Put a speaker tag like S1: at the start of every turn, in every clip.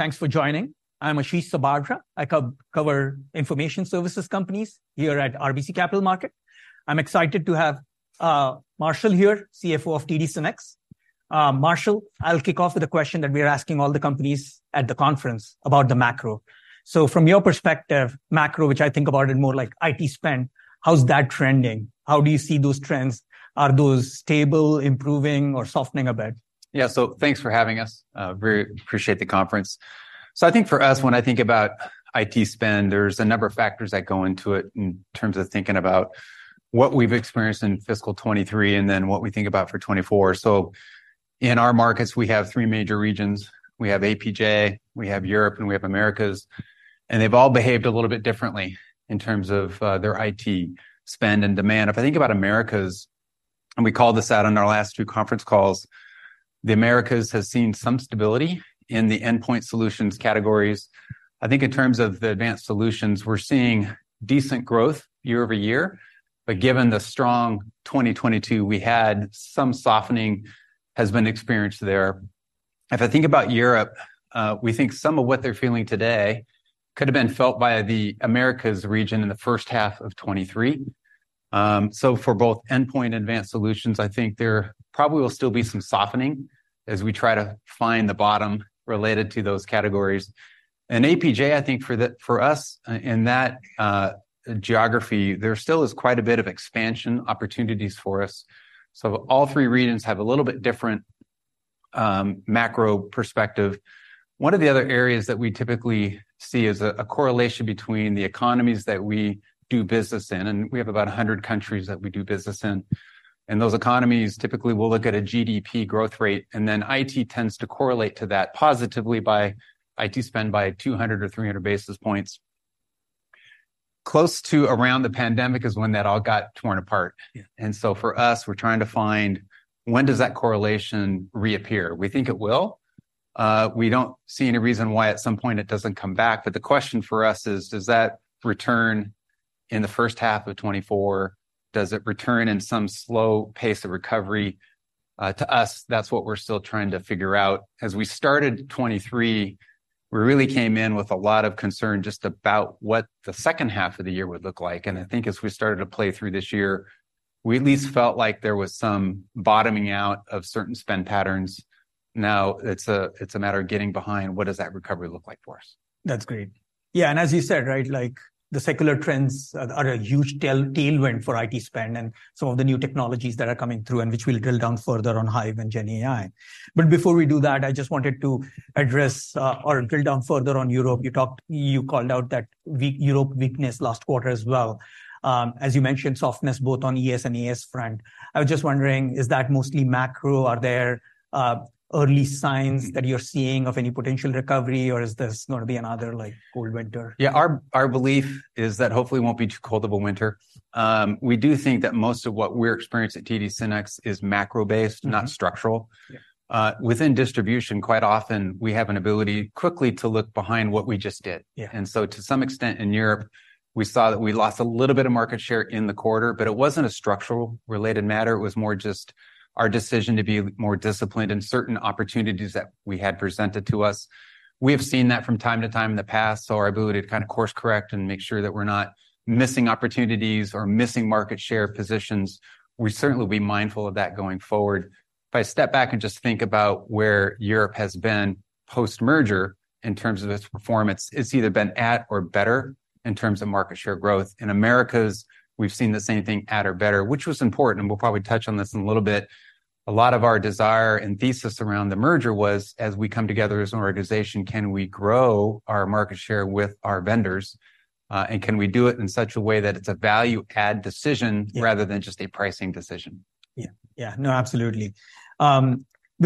S1: Thanks for joining. I'm Ashish Sabadra. I co-cover information services companies here at RBC Capital Markets. I'm excited to have, Marshall here, CFO of TD SYNNEX. Marshall, I'll kick off with a question that we're asking all the companies at the conference about the macro. So from your perspective, macro, which I think about it more like IT spend, how's that trending? How do you see those trends? Are those stable, improving, or softening a bit?
S2: Yeah, so thanks for having us. We appreciate the conference. So I think for us, when I think about IT spend, there's a number of factors that go into it in terms of thinking about what we've experienced in fiscal 2023, and then what we think about for 2024. So in our markets, we have three major regions. We have APJ, we have Europe, and we have Americas, and they've all behaved a little bit differently in terms of their IT spend and demand. If I think about Americas, and we called this out on our last two conference calls, the Americas has seen some stability in the Endpoint Solutions categories. I think in terms of the Advanced Solutions, we're seeing decent growth year-over-year, but given the strong 2022 we had, some softening has been experienced there. If I think about Europe, we think some of what they're feeling today could have been felt by the Americas region in the first half of 2023. So for both endpoint and Advanced Solutions, I think there probably will still be some softening as we try to find the bottom related to those categories. And APJ, I think for us in that geography, there still is quite a bit of expansion opportunities for us. So all three regions have a little bit different macro perspective. One of the other areas that we typically see is a correlation between the economies that we do business in, and we have about 100 countries that we do business in. Those economies, typically, we'll look at a GDP growth rate, and then IT tends to correlate to that positively by IT spend by 200 or 300 basis points. Close to around the pandemic is when that all got torn apart.
S1: Yeah.
S2: For us, we're trying to find: When does that correlation reappear? We think it will. We don't see any reason why at some point it doesn't come back, but the question for us is: Does that return in the first half of 2024? Does it return in some slow pace of recovery? To us, that's what we're still trying to figure out. As we started 2023, we really came in with a lot of concern just about what the second half of the year would look like, and I think as we started to play through this year, we at least felt like there was some bottoming out of certain spend patterns. Now, it's a matter of getting behind what does that recovery look like for us.
S1: That's great. Yeah, and as you said, right, like, the secular trends are a huge tailwind for IT spend and some of the new technologies that are coming through, and which we'll drill down further on Hyve and GenAI. But before we do that, I just wanted to address or drill down further on Europe. You talked, you called out that Europe weakness last quarter as well. As you mentioned, softness both on ES and AS front. I was just wondering, is that mostly macro, are there early signs that you're seeing of any potential recovery, or is this going to be another, like, cold winter?
S2: Yeah, our belief is that hopefully it won't be too cold of a winter. We do think that most of what we're experiencing at TD SYNNEX is macro-based-
S1: Mm-hmm.
S2: -not structural.
S1: Yeah.
S2: Within distribution, quite often we have an ability quickly to look behind what we just did.
S1: Yeah.
S2: To some extent in Europe, we saw that we lost a little bit of market share in the quarter, but it wasn't a structural-related matter. It was more just our decision to be more disciplined in certain opportunities that we had presented to us. We have seen that from time to time in the past, so our ability to kind of course correct and make sure that we're not missing opportunities or missing market share positions, we certainly will be mindful of that going forward. If I step back and just think about where Europe has been post-merger in terms of its performance, it's either been at or better in terms of market share growth. In Americas, we've seen the same thing, at or better, which was important, and we'll probably touch on this in a little bit. A lot of our desire and thesis around the merger was, as we come together as an organization, can we grow our market share with our vendors, and can we do it in such a way that it's a value-add decision-
S1: Yeah...
S2: rather than just a pricing decision?
S1: Yeah. Yeah. No, absolutely.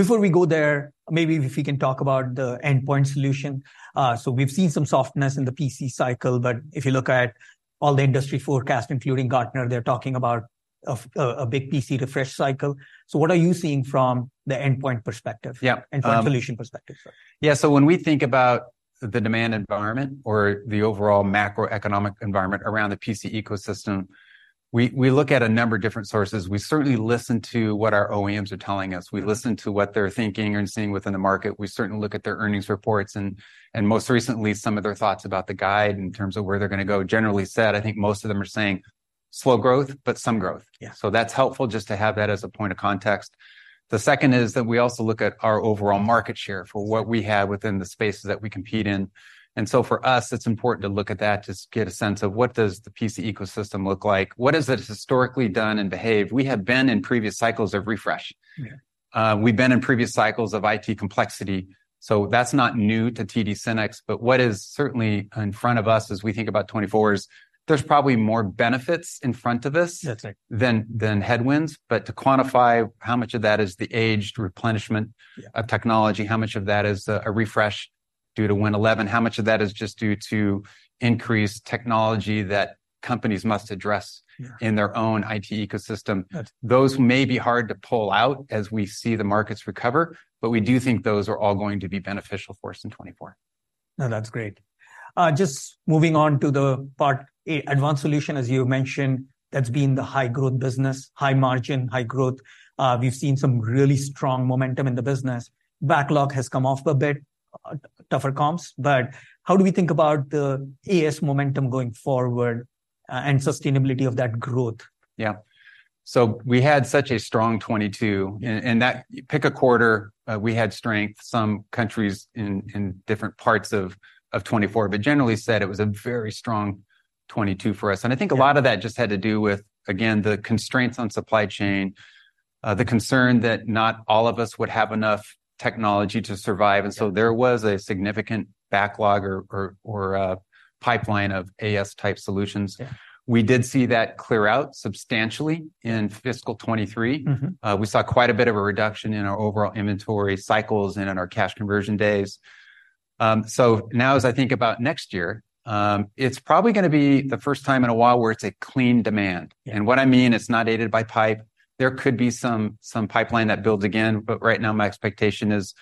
S1: Before we go there, maybe if we can talk about the endpoint solution. So we've seen some softness in the PC cycle, but if you look at all the industry forecast, including Gartner, they're talking about a big PC refresh cycle. So what are you seeing from the endpoint perspective?
S2: Yeah, um-
S1: Endpoint Solutions perspective, sorry.
S2: Yeah, so when we think about the demand environment or the overall macroeconomic environment around the PC ecosystem, we look at a number of different sources. We certainly listen to what our OEMs are telling us.
S1: Mm-hmm.
S2: We listen to what they're thinking and seeing within the market. We certainly look at their earnings reports and most recently, some of their thoughts about the guide in terms of where they're going to go. Generally said, I think most of them are saying slow growth, but some growth.
S1: Yeah.
S2: So that's helpful just to have that as a point of context. The second is that we also look at our overall market share-
S1: Mm-hmm...
S2: for what we have within the spaces that we compete in. And so for us, it's important to look at that just to get a sense of: What does the PC ecosystem look like? What has it historically done and behaved? We have been in previous cycles of refresh.
S1: Yeah.
S2: We've been in previous cycles of IT complexity, so that's not new to TD SYNNEX. But what is certainly in front of us as we think about 2024 is there's probably more benefits in front of us-
S1: That's it...
S2: than headwinds. But to quantify how much of that is the aged replenishment-
S1: Yeah...
S2: of technology, how much of that is a refresh due to Win 11, how much of that is just due to increased technology that companies must address-
S1: Yeah...
S2: in their own IT ecosystem-
S1: That's...
S2: those may be hard to pull out as we see the markets recover, but we do think those are all going to be beneficial for us in 2024....
S1: No, that's great. Just moving on to the Part A, Advanced Solutions, as you mentioned, that's been the high-growth business, high margin, high growth. We've seen some really strong momentum in the business. Backlog has come off a bit, tougher comps, but how do we think about the AS momentum going forward, and sustainability of that growth?
S2: Yeah. So we had such a strong 2022, and that pick a quarter, we had strength in some countries in different parts of 2024. But generally said, it was a very strong 2022 for us.
S1: Yeah.
S2: I think a lot of that just had to do with, again, the constraints on supply chain, the concern that not all of us would have enough technology to survive.
S1: Yeah.
S2: There was a significant backlog or a pipeline of AS-type solutions.
S1: Yeah.
S2: We did see that clear out substantially in fiscal 2023.
S1: Mm-hmm.
S2: We saw quite a bit of a reduction in our overall inventory cycles and in our cash conversion days. So now as I think about next year, it's probably going to be the first time in a while where it's a clean demand.
S1: Yeah.
S2: And what I mean, it's not aided by pipe. There could be some pipeline that builds again, but right now, my expectation is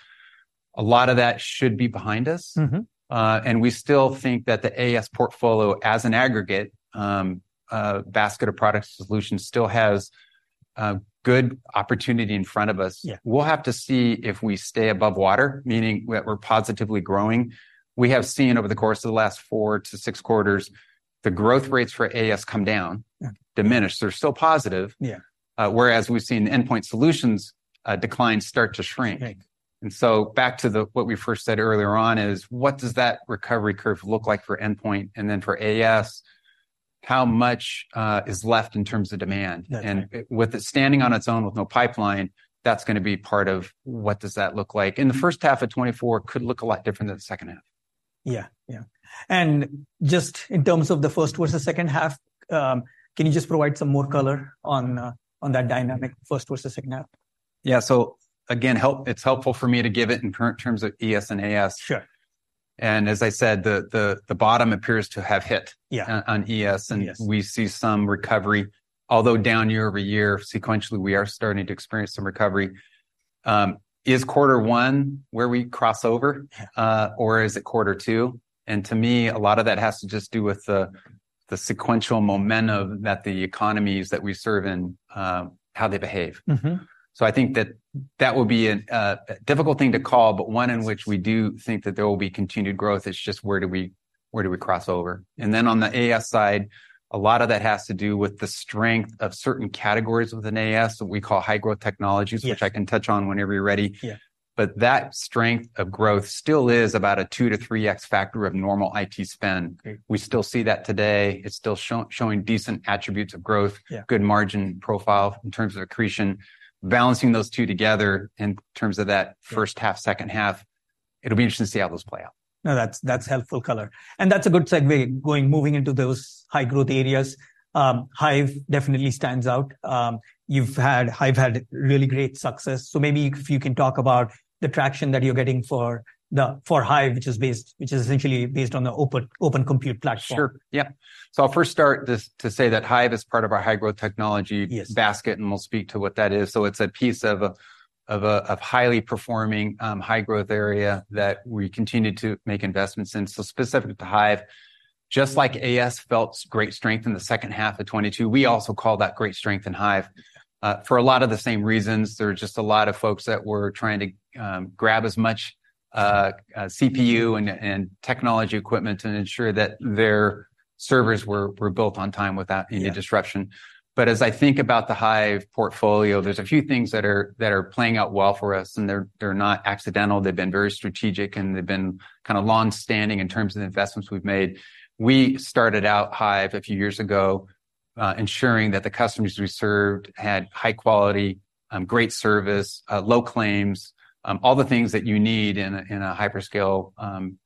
S2: a lot of that should be behind us.
S1: Mm-hmm.
S2: We still think that the AS portfolio, as an aggregate basket of product solutions, still has good opportunity in front of us.
S1: Yeah.
S2: We'll have to see if we stay above water, meaning we're positively growing. We have seen over the course of the last four to six quarters, the growth rates for AS come down-
S1: Yeah...
S2: diminish. They're still positive-
S1: Yeah ...
S2: whereas we've seen Endpoint Solutions declines start to shrink.
S1: Shrink.
S2: And so back to what we first said earlier on is, what does that recovery curve look like for Endpoint? And then for AS, how much is left in terms of demand?
S1: That's right.
S2: With it standing on its own with no pipeline, that's going to be part of what does that look like?
S1: Mm.
S2: The first half of 2024 could look a lot different than the second half.
S1: Yeah, yeah. And just in terms of the first versus second half, can you just provide some more color on, on that dynamic, first versus second half?
S2: Yeah. So again, it's helpful for me to give it in current terms of ES and AS.
S1: Sure.
S2: As I said, the bottom appears to have hit-
S1: Yeah...
S2: on ES.
S1: ES.
S2: We see some recovery, although down year over year, sequentially, we are starting to experience some recovery. Is quarter one where we cross over?
S1: Yeah.
S2: Or is it quarter two? To me, a lot of that has to just do with the sequential momentum that the economies that we serve in, how they behave.
S1: Mm-hmm.
S2: So I think that that will be a difficult thing to call, but one in which we do think that there will be continued growth. It's just where do we cross over? And then on the AS side, a lot of that has to do with the strength of certain categories within AS, what we call high-growth technologies-
S1: Yes...
S2: which I can touch on whenever you're ready.
S1: Yeah.
S2: But that strength of growth still is about a 2-3x factor of normal IT spend.
S1: Okay.
S2: We still see that today. It's still showing decent attributes of growth-
S1: Yeah...
S2: good margin profile in terms of accretion. Balancing those two together in terms of that first half, second half, it'll be interesting to see how those play out.
S1: No, that's, that's helpful color. And that's a good segue moving into those high-growth areas. Hive definitely stands out. You've had Hive had really great success. So maybe if you can talk about the traction that you're getting for Hive, which is essentially based on the Open Compute platform.
S2: Sure, yeah. So I'll first start just to say that Hive is part of our high-growth technology-
S1: Yes
S2: ...basket, and we'll speak to what that is. So it's a piece of a highly performing, high-growth area that we continue to make investments in. So specific to Hive, just like AS felt great strength in the second half of 2022, we also call that great strength in Hive for a lot of the same reasons. There were just a lot of folks that were trying to grab as much CPU and technology equipment and ensure that their servers were built on time without any-
S1: Yeah...
S2: disruption. But as I think about the Hive portfolio, there's a few things that are playing out well for us, and they're not accidental. They've been very strategic, and they've been kind of long-standing in terms of the investments we've made. We started out Hive a few years ago, ensuring that the customers we served had high quality, great service, low claims, all the things that you need in a hyperscale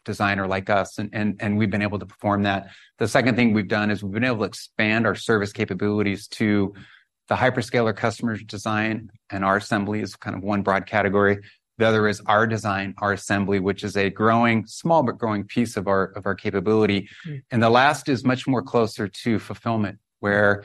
S2: designer like us, and we've been able to perform that. The second thing we've done is we've been able to expand our service capabilities to the hyperscaler customers' design, and our assembly is kind of one broad category. The other is our design, our assembly, which is a growing, small but growing piece of our capability.
S1: Mm.
S2: The last is much more closer to fulfillment, where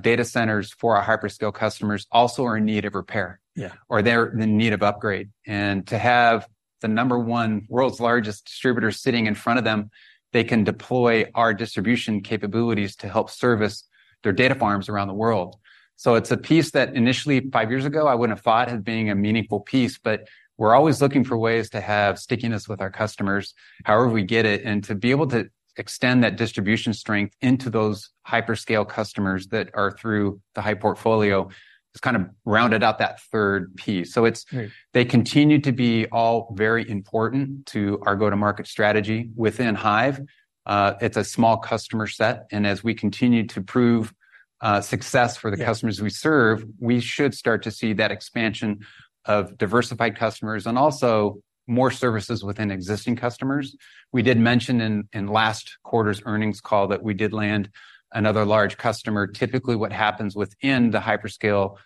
S2: data centers for our hyperscale customers also are in need of repair-
S1: Yeah...
S2: or they're in need of upgrade. And to have the number one world's largest distributor sitting in front of them, they can deploy our distribution capabilities to help service their data farms around the world. So it's a piece that initially, five years ago, I wouldn't have thought of being a meaningful piece, but we're always looking for ways to have stickiness with our customers, however we get it. And to be able to extend that distribution strength into those hyperscale customers that are through the Hive portfolio, has kind of rounded out that third piece.
S1: Right.
S2: So they continue to be all very important to our go-to-market strategy within Hive. It's a small customer set, and as we continue to prove success for the-
S1: Yeah...
S2: customers we serve, we should start to see that expansion of diversified customers and also more services within existing customers. We did mention in last quarter's earnings call that we did land another large customer. Typically, what happens within the hyperscale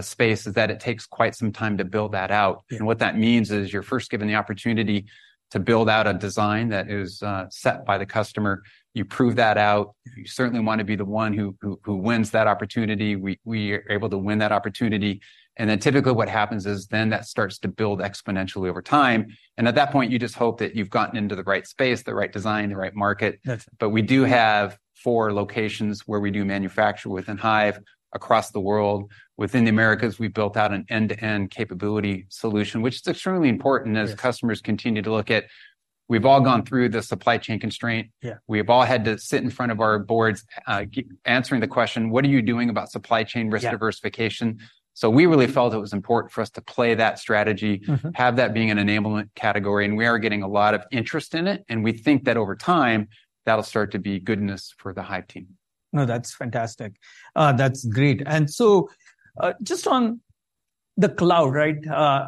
S2: space is that it takes quite some time to build that out.
S1: Yeah.
S2: And what that means is you're first given the opportunity to build out a design that is set by the customer. You prove that out. You certainly want to be the one who wins that opportunity. We are able to win that opportunity, and then typically, what happens is then that starts to build exponentially over time, and at that point, you just hope that you've gotten into the right space, the right design, the right market.
S1: That's it.
S2: But we do have four locations where we do manufacture within Hive across the world. Within the Americas, we've built out an end-to-end capability solution, which is extremely important-
S1: Yes...
S2: as customers continue to look at... We've all gone through the supply chain constraint.
S1: Yeah.
S2: We've all had to sit in front of our boards, keep answering the question: What are you doing about supply chain risk diversification?
S1: Yeah.
S2: We really felt it was important for us to play that strategy-
S1: Mm-hmm.
S2: Have that being an enablement category, and we are getting a lot of interest in it, and we think that over time, that'll start to be goodness for the Hive team.
S1: No, that's fantastic. That's great. And so, just on the cloud, right,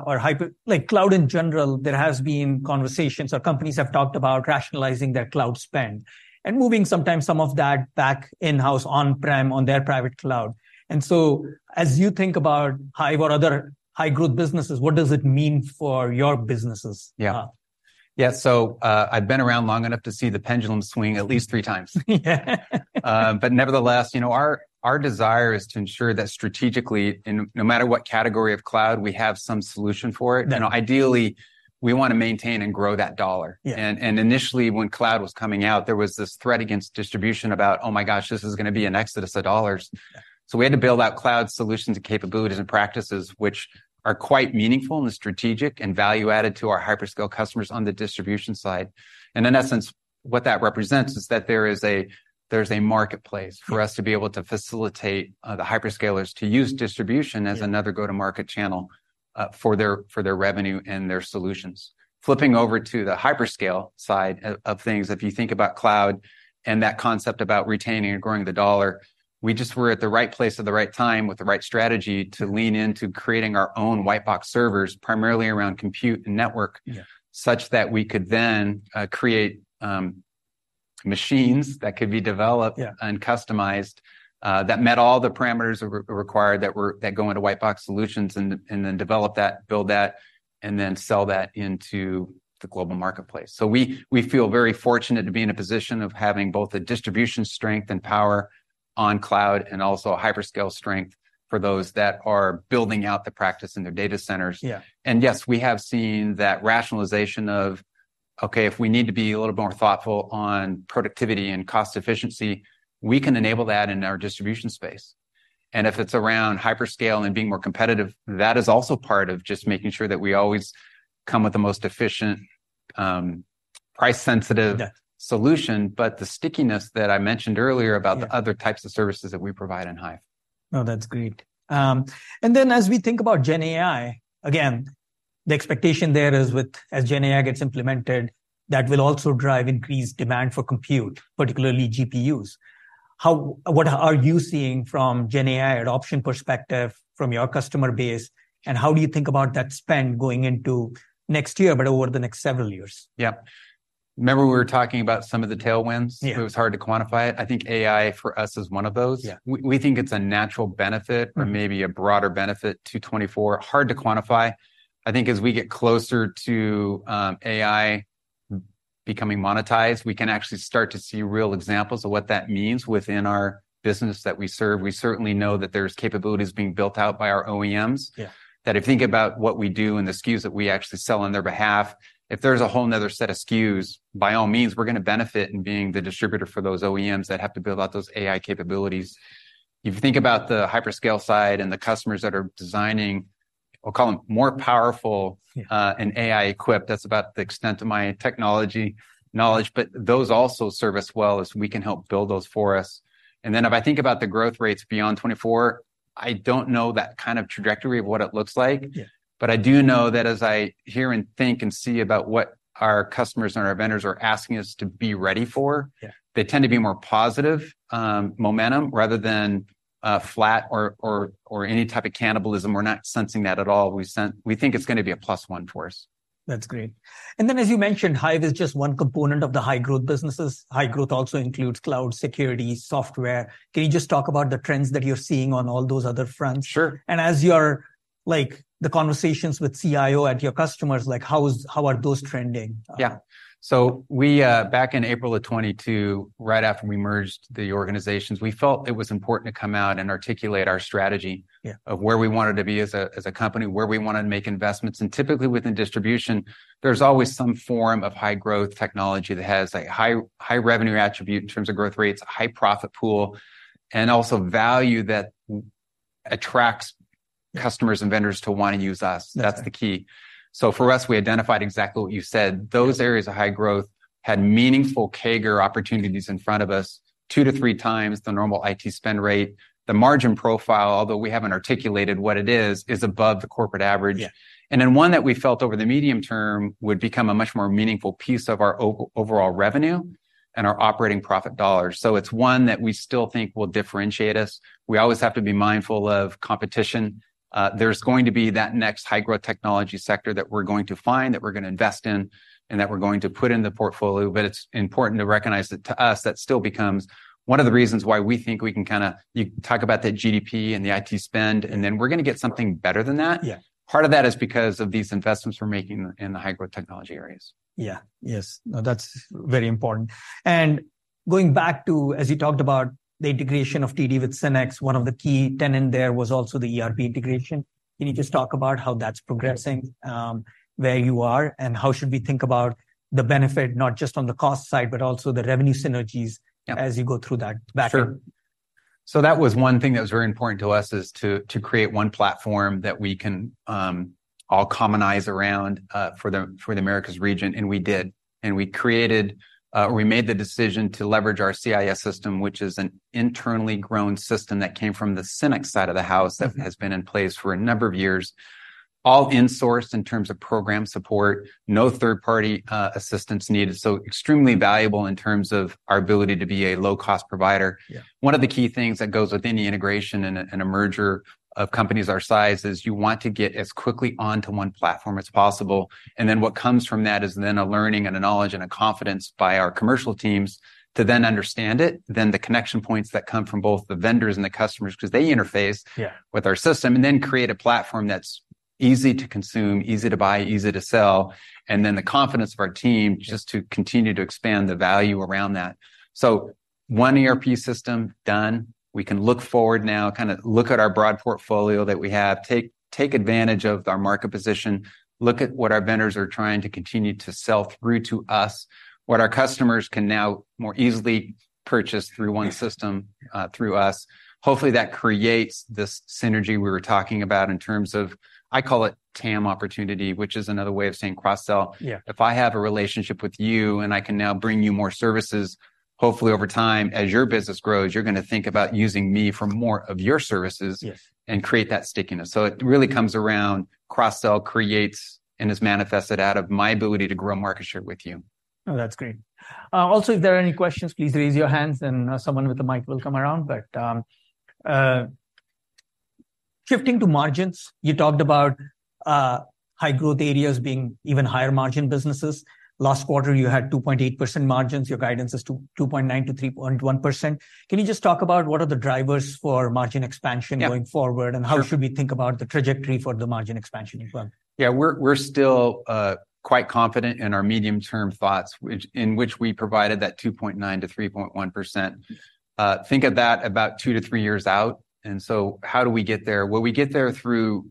S1: or hyper- like, cloud in general, there has been conversations or companies have talked about rationalizing their cloud spend and moving sometimes some of that back in-house on-prem on their private cloud. And so as you think about Hive or other high-growth businesses, what does it mean for your businesses?
S2: Yeah.
S1: Uh.
S2: Yeah, so, I've been around long enough to see the pendulum swing at least three times.
S1: Yeah.
S2: But nevertheless, you know, our desire is to ensure that strategically, and no matter what category of cloud, we have some solution for it.
S1: Yeah.
S2: Now, ideally, we want to maintain and grow that dollar.
S1: Yeah.
S2: Initially, when cloud was coming out, there was this threat against distribution about, "Oh, my gosh, this is going to be an exodus of dollars.
S1: Yeah.
S2: We had to build out cloud solutions and capabilities and practices which are quite meaningful and strategic and value added to our hyperscale customers on the distribution side. In essence, what that represents is that there's a marketplace-
S1: Sure...
S2: for us to be able to facilitate, the hyperscalers to use distribution-
S1: Yeah...
S2: as another go-to-market channel for their, for their revenue and their solutions. Flipping over to the hyperscale side of things, if you think about cloud and that concept about retaining and growing the dollar, we just were at the right place at the right time with the right strategy to lean into creating our own white box servers, primarily around compute and network-
S1: Yeah...
S2: such that we could then create machines that could be developed-
S1: Yeah...
S2: and customized that met all the parameters required that go into white box solutions, and then develop that, build that, and then sell that into the global marketplace. So we feel very fortunate to be in a position of having both a distribution strength and power on Cloud and also a Hyperscale strength for those that are building out the practice in their data centers.
S1: Yeah.
S2: Yes, we have seen that rationalization of, okay, if we need to be a little more thoughtful on productivity and cost efficiency, we can enable that in our distribution space. And if it's around hyperscale and being more competitive, that is also part of just making sure that we always come with the most efficient, price-sensitive-
S1: Yeah...
S2: solution, but the stickiness that I mentioned earlier-
S1: Yeah...
S2: about the other types of services that we provide in Hive.
S1: No, that's great. And then as we think about GenAI, again, the expectation there is with, as GenAI gets implemented, that will also drive increased demand for compute, particularly GPUs. What are you seeing from GenAI adoption perspective from your customer base, and how do you think about that spend going into next year but over the next several years?
S2: Yeah. Remember we were talking about some of the tailwinds?
S1: Yeah.
S2: It was hard to quantify it. I think AI for us is one of those.
S1: Yeah.
S2: We think it's a natural benefit.
S1: Mm...
S2: or maybe a broader benefit to 2024. Hard to quantify. I think as we get closer to AI becoming monetized, we can actually start to see real examples of what that means within our business that we serve. We certainly know that there's capabilities being built out by our OEMs.
S1: Yeah.
S2: That, if you think about what we do and the SKUs that we actually sell on their behalf, if there's a whole another set of SKUs, by all means, we're going to benefit in being the distributor for those OEMs that have to build out those AI capabilities. If you think about the hyperscale side and the customers that are designing, I'll call them more powerful-
S1: Yeah...
S2: and AI-equipped, that's about the extent of my technology knowledge, but those also serve us well as we can help build those forests. And then if I think about the growth rates beyond 2024, I don't know that kind of trajectory of what it looks like.
S1: Yeah.
S2: But I do know that as I hear and think and see about what our customers and our vendors are asking us to be ready for-
S1: Yeah...
S2: they tend to be more positive momentum rather than flat or any type of cannibalism. We're not sensing that at all. We think it's going to be a plus one for us.
S1: That's great. And then, as you mentioned, Hive is just one component of the high growth businesses. High growth also includes cloud security software. Can you just talk about the trends that you're seeing on all those other fronts?
S2: Sure.
S1: As you are like, the conversations with CIO and your customers, like, how are those trending?
S2: Yeah. So we back in April of 2022, right after we merged the organizations, we felt it was important to come out and articulate our strategy-
S1: Yeah...
S2: of where we wanted to be as a company, where we wanted to make investments. Typically, within distribution, there's always some form of high-growth technology that has a high revenue attribute in terms of growth rates, a high profit pool, and also value that attracts customers and vendors to want to use us.
S1: Yeah.
S2: That's the key. So for us, we identified exactly what you said.
S1: Yeah.
S2: Those areas of high growth had meaningful CAGR opportunities in front of us, 2-3 times the normal IT spend rate. The margin profile, although we haven't articulated what it is, is above the corporate average.
S1: Yeah.
S2: And then one that we felt over the medium term would become a much more meaningful piece of our overall revenue and our operating profit dollars. So it's one that we still think will differentiate us. We always have to be mindful of competition. There's going to be that next high-growth technology sector that we're going to find, that we're going to invest in, and that we're going to put in the portfolio, but it's important to recognize that to us, that still becomes one of the reasons why we think we can kind of... You talk about the GDP and the IT spend, and then we're going to get something better than that.
S1: Yeah.
S2: Part of that is because of these investments we're making in the high-growth technology areas.
S1: Yeah. Yes, no, that's very important. And going back to, as you talked about the integration of TD SYNNEX, one of the key tenet there was also the ERP integration. Can you just talk about how that's progressing, where you are, and how should we think about the benefit, not just on the cost side, but also the revenue synergies-
S2: Yeah...
S1: as you go through that batter?...
S2: So that was one thing that was very important to us, is to create one platform that we can all commonize around for the Americas region, and we did. We created, we made the decision to leverage our CIS system, which is an internally grown system that came from the SYNNEX side of the house, that has been in place for a number of years. All insourced in terms of program support, no third-party assistance needed, so extremely valuable in terms of our ability to be a low-cost provider.
S1: Yeah.
S2: One of the key things that goes with any integration and a merger of companies our size is you want to get as quickly onto one platform as possible. And then what comes from that is then a learning and a knowledge and a confidence by our commercial teams to then understand it, then the connection points that come from both the vendors and the customers, 'cause they interface-
S1: Yeah...
S2: with our system, and then create a platform that's easy to consume, easy to buy, easy to sell, and then the confidence of our team just to continue to expand the value around that. So one ERP system, done. We can look forward now, kind of look at our broad portfolio that we have, take advantage of our market position, look at what our vendors are trying to continue to sell through to us, what our customers can now more easily purchase through one system-
S1: Yeah...
S2: through us. Hopefully, that creates this synergy we were talking about in terms of, I call it TAM opportunity, which is another way of saying cross-sell.
S1: Yeah.
S2: If I have a relationship with you, and I can now bring you more services, hopefully over time, as your business grows, you're going to think about using me for more of your services-
S1: Yes...
S2: and create that stickiness. So it really comes around, cross-sell creates and is manifested out of my ability to grow market share with you.
S1: Oh, that's great. Also, if there are any questions, please raise your hands, and someone with a mic will come around. But shifting to margins, you talked about high-growth areas being even higher-margin businesses. Last quarter, you had 2.8% margins. Your guidance is to 2.9%-3.1%. Can you just talk about what are the drivers for margin expansion?
S2: Yeah...
S1: going forward, and how should we think about the trajectory for the margin expansion as well?
S2: Yeah, we're still quite confident in our medium-term thoughts, in which we provided that 2.9%-3.1%. Think of that about two to three years out, and so how do we get there? Well, we get there through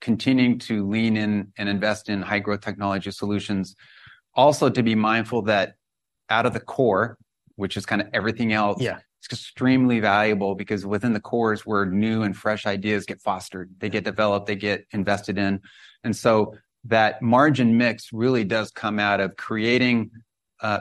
S2: continuing to lean in and invest in high-growth technology solutions. Also, to be mindful that out of the core, which is kind of everything else-
S1: Yeah...
S2: it's extremely valuable because within the core is where new and fresh ideas get fostered. They get developed, they get invested in, and so that margin mix really does come out of creating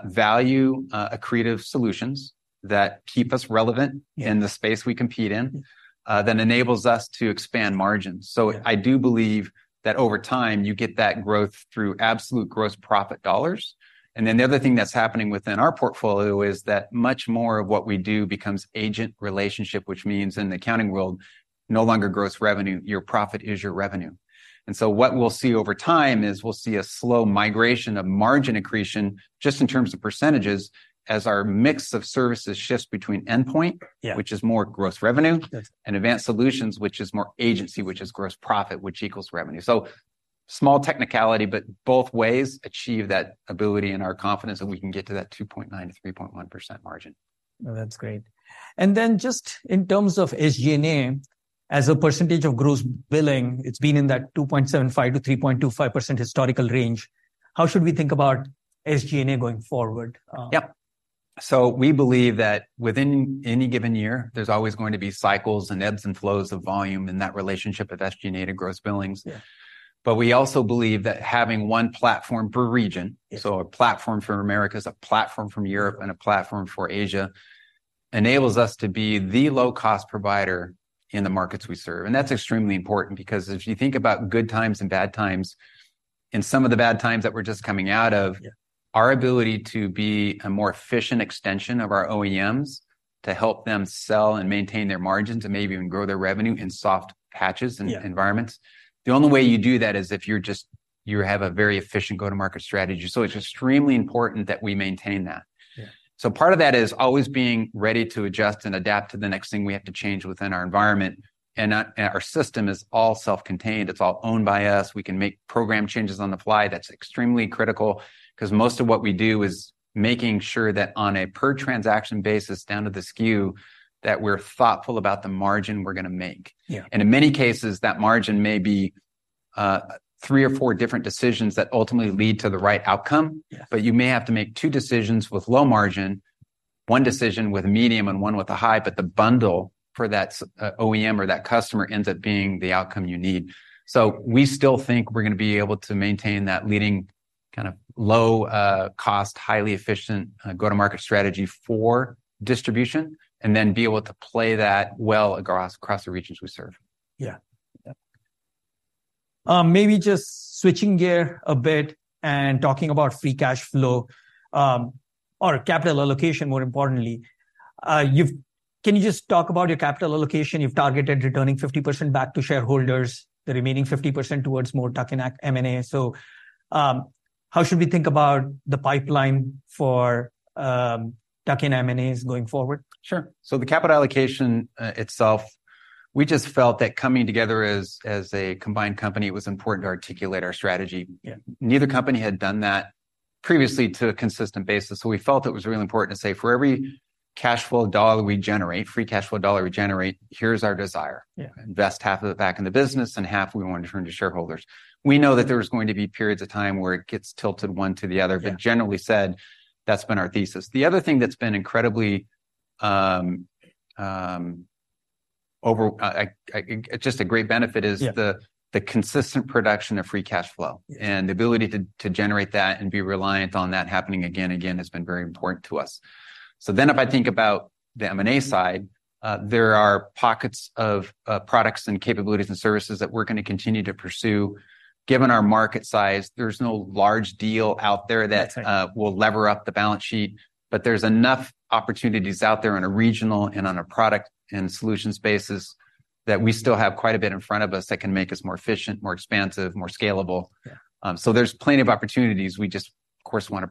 S2: value, accretive solutions that keep us relevant-
S1: Yeah...
S2: in the space we compete in, that enables us to expand margins.
S1: Yeah.
S2: So I do believe that over time, you get that growth through absolute gross profit dollars. And then the other thing that's happening within our portfolio is that much more of what we do becomes agent relationship, which means, in the accounting world, no longer gross revenue. Your profit is your revenue. And so what we'll see over time is we'll see a slow migration of margin accretion, just in terms of percentages, as our mix of services shifts between endpoint-
S1: Yeah...
S2: which is more gross revenue-
S1: Yes...
S2: and Advanced Solutions, which is more margin, which is gross profit, which equals revenue. So small technicality, but both ways achieve that ability and our confidence that we can get to that 2.9%-3.1% margin.
S1: Oh, that's great. And then just in terms of SG&A, as a percentage of gross billing, it's been in that 2.75%-3.25% historical range. How should we think about SG&A going forward?
S2: Yep. We believe that within any given year, there's always going to be cycles and ebbs and flows of volume in that relationship of SG&A to gross billings.
S1: Yeah.
S2: But we also believe that having one platform per region-
S1: Yeah...
S2: so a platform from Americas, a platform from Europe, and a platform for Asia, enables us to be the low-cost provider in the markets we serve. That's extremely important because if you think about good times and bad times, in some of the bad times that we're just coming out of-
S1: Yeah ...
S2: our ability to be a more efficient extension of our OEMs, to help them sell and maintain their margins and maybe even grow their revenue in soft patches-
S1: Yeah...
S2: and environments, the only way you do that is if you're just- you have a very efficient go-to-market strategy. So it's extremely important that we maintain that.
S1: Yeah.
S2: So part of that is always being ready to adjust and adapt to the next thing we have to change within our environment, and and our system is all self-contained. It's all owned by us. We can make program changes on the fly. That's extremely critical, 'cause most of what we do is making sure that on a per-transaction basis, down to the SKU, that we're thoughtful about the margin we're gonna make.
S1: Yeah.
S2: In many cases, that margin may be three or four different decisions that ultimately lead to the right outcome.
S1: Yeah.
S2: But you may have to make two decisions with low margin, one decision with a medium, and one with a high, but the bundle for that OEM or that customer ends up being the outcome you need. So we still think we're gonna be able to maintain that leading, kind of low, cost, highly efficient, go-to-market strategy for distribution, and then be able to play that well across, across the regions we serve.
S1: Yeah.
S2: Yeah.
S1: Maybe just switching gear a bit and talking about free cash flow, or capital allocation, more importantly. You've... Can you just talk about your capital allocation? You've targeted returning 50% back to shareholders, the remaining 50% towards more tuck-in M&A. So, how should we think about the pipeline for tuck-in M&As going forward?
S2: Sure. The capital allocation itself, we just felt that coming together as a combined company, it was important to articulate our strategy.
S1: Yeah.
S2: Neither company had done that previously to a consistent basis, so we felt it was really important to say, "For every cash flow dollar we generate, free cash flow dollar we generate, here's our desire.
S1: Yeah.
S2: Invest half of it back in the business and half we want to return to shareholders." We know that there's going to be periods of time where it gets tilted one to the other.
S1: Yeah.
S2: But generally said, that's been our thesis. The other thing that's been incredibly over just a great benefit is-
S1: Yeah
S2: the consistent production of free cash flow.
S1: Yeah.
S2: The ability to generate that and be reliant on that happening again and again has been very important to us. Then if I think about the M&A side, there are pockets of products and capabilities and services that we're gonna continue to pursue. Given our market size, there's no large deal out there that-
S1: Right...
S2: will lever up the balance sheet, but there's enough opportunities out there on a regional and on a product and solutions basis, that we still have quite a bit in front of us that can make us more efficient, more expansive, more scalable.
S1: Yeah.
S2: So, there's plenty of opportunities. We just, of course, wanna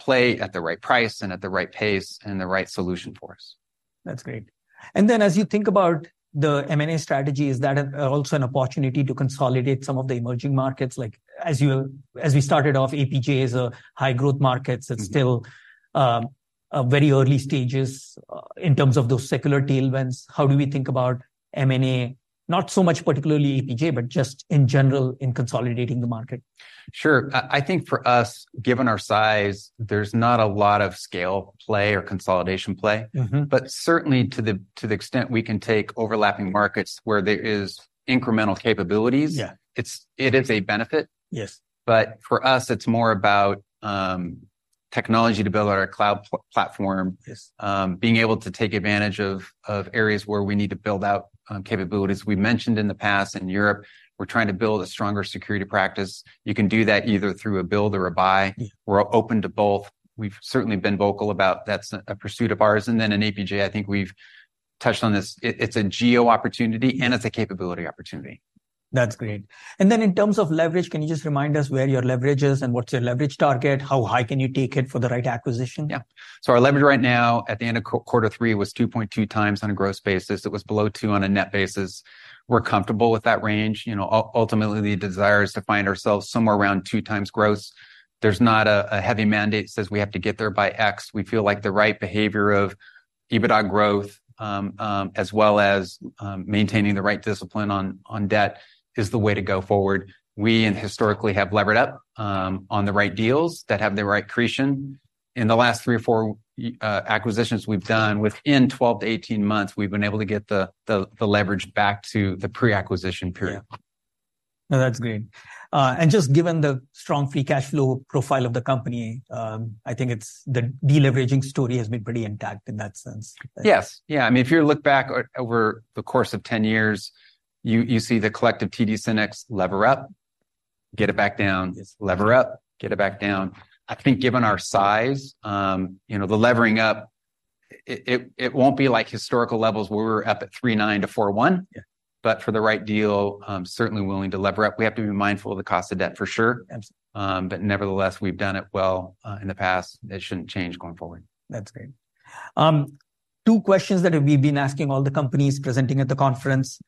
S2: play at the right price and at the right pace, and the right solution for us.
S1: That's great. And then, as you think about the M&A strategy, is that also an opportunity to consolidate some of the emerging markets? Like, as we started off, APJ is a high-growth market.
S2: Mm-hmm.
S1: It's still very early stages in terms of those secular tailwinds. How do we think about M&A, not so much particularly APJ, but just in general in consolidating the market?
S2: Sure. I think for us, given our size, there's not a lot of scale play or consolidation play.
S1: Mm-hmm.
S2: But certainly to the extent we can take overlapping markets where there is incremental capabilities-
S1: Yeah...
S2: It is a benefit.
S1: Yes.
S2: But for us, it's more about technology to build our cloud platform.
S1: Yes.
S2: Being able to take advantage of, of areas where we need to build out, capabilities. We mentioned in the past, in Europe, we're trying to build a stronger security practice. You can do that either through a build or a buy.
S1: Mm.
S2: We're open to both. We've certainly been vocal about that. That's a pursuit of ours. And then in APJ, I think we've touched on this, it's a geo opportunity, and it's a capability opportunity.
S1: That's great. Then in terms of leverage, can you just remind us where your leverage is, and what's your leverage target? How high can you take it for the right acquisition?
S2: Yeah. So our leverage right now, at the end of quarter three, was 2.2 times on a gross basis. It was below 2 on a net basis. We're comfortable with that range. You know, ultimately, the desire is to find ourselves somewhere around 2 times gross. There's not a heavy mandate that says we have to get there by X. We feel like the right behavior of EBITDA growth, as well as maintaining the right discipline on debt, is the way to go forward. We historically have levered up on the right deals that have the right accretion. In the last three or four acquisitions we've done, within 12 to 18 months, we've been able to get the leverage back to the pre-acquisition period.
S1: Yeah. No, that's great. And just given the strong free cash flow profile of the company, I think it's the de-leveraging story has been pretty intact in that sense.
S2: Yes. Yeah, I mean, if you look back over the course of 10 years, you, you see the collective TD SYNNEX lever up, get it back down-
S1: Yes...
S2: lever up, get it back down. I think, given our size, you know, the levering up, it won't be like historical levels, where we're up at 3.9-4.1.
S1: Yeah.
S2: But for the right deal, I'm certainly willing to lever up. We have to be mindful of the cost of debt, for sure.
S1: Absolutely.
S2: But nevertheless, we've done it well, in the past. It shouldn't change going forward.
S1: That's great. Two questions that we've been asking all the companies presenting at the conference.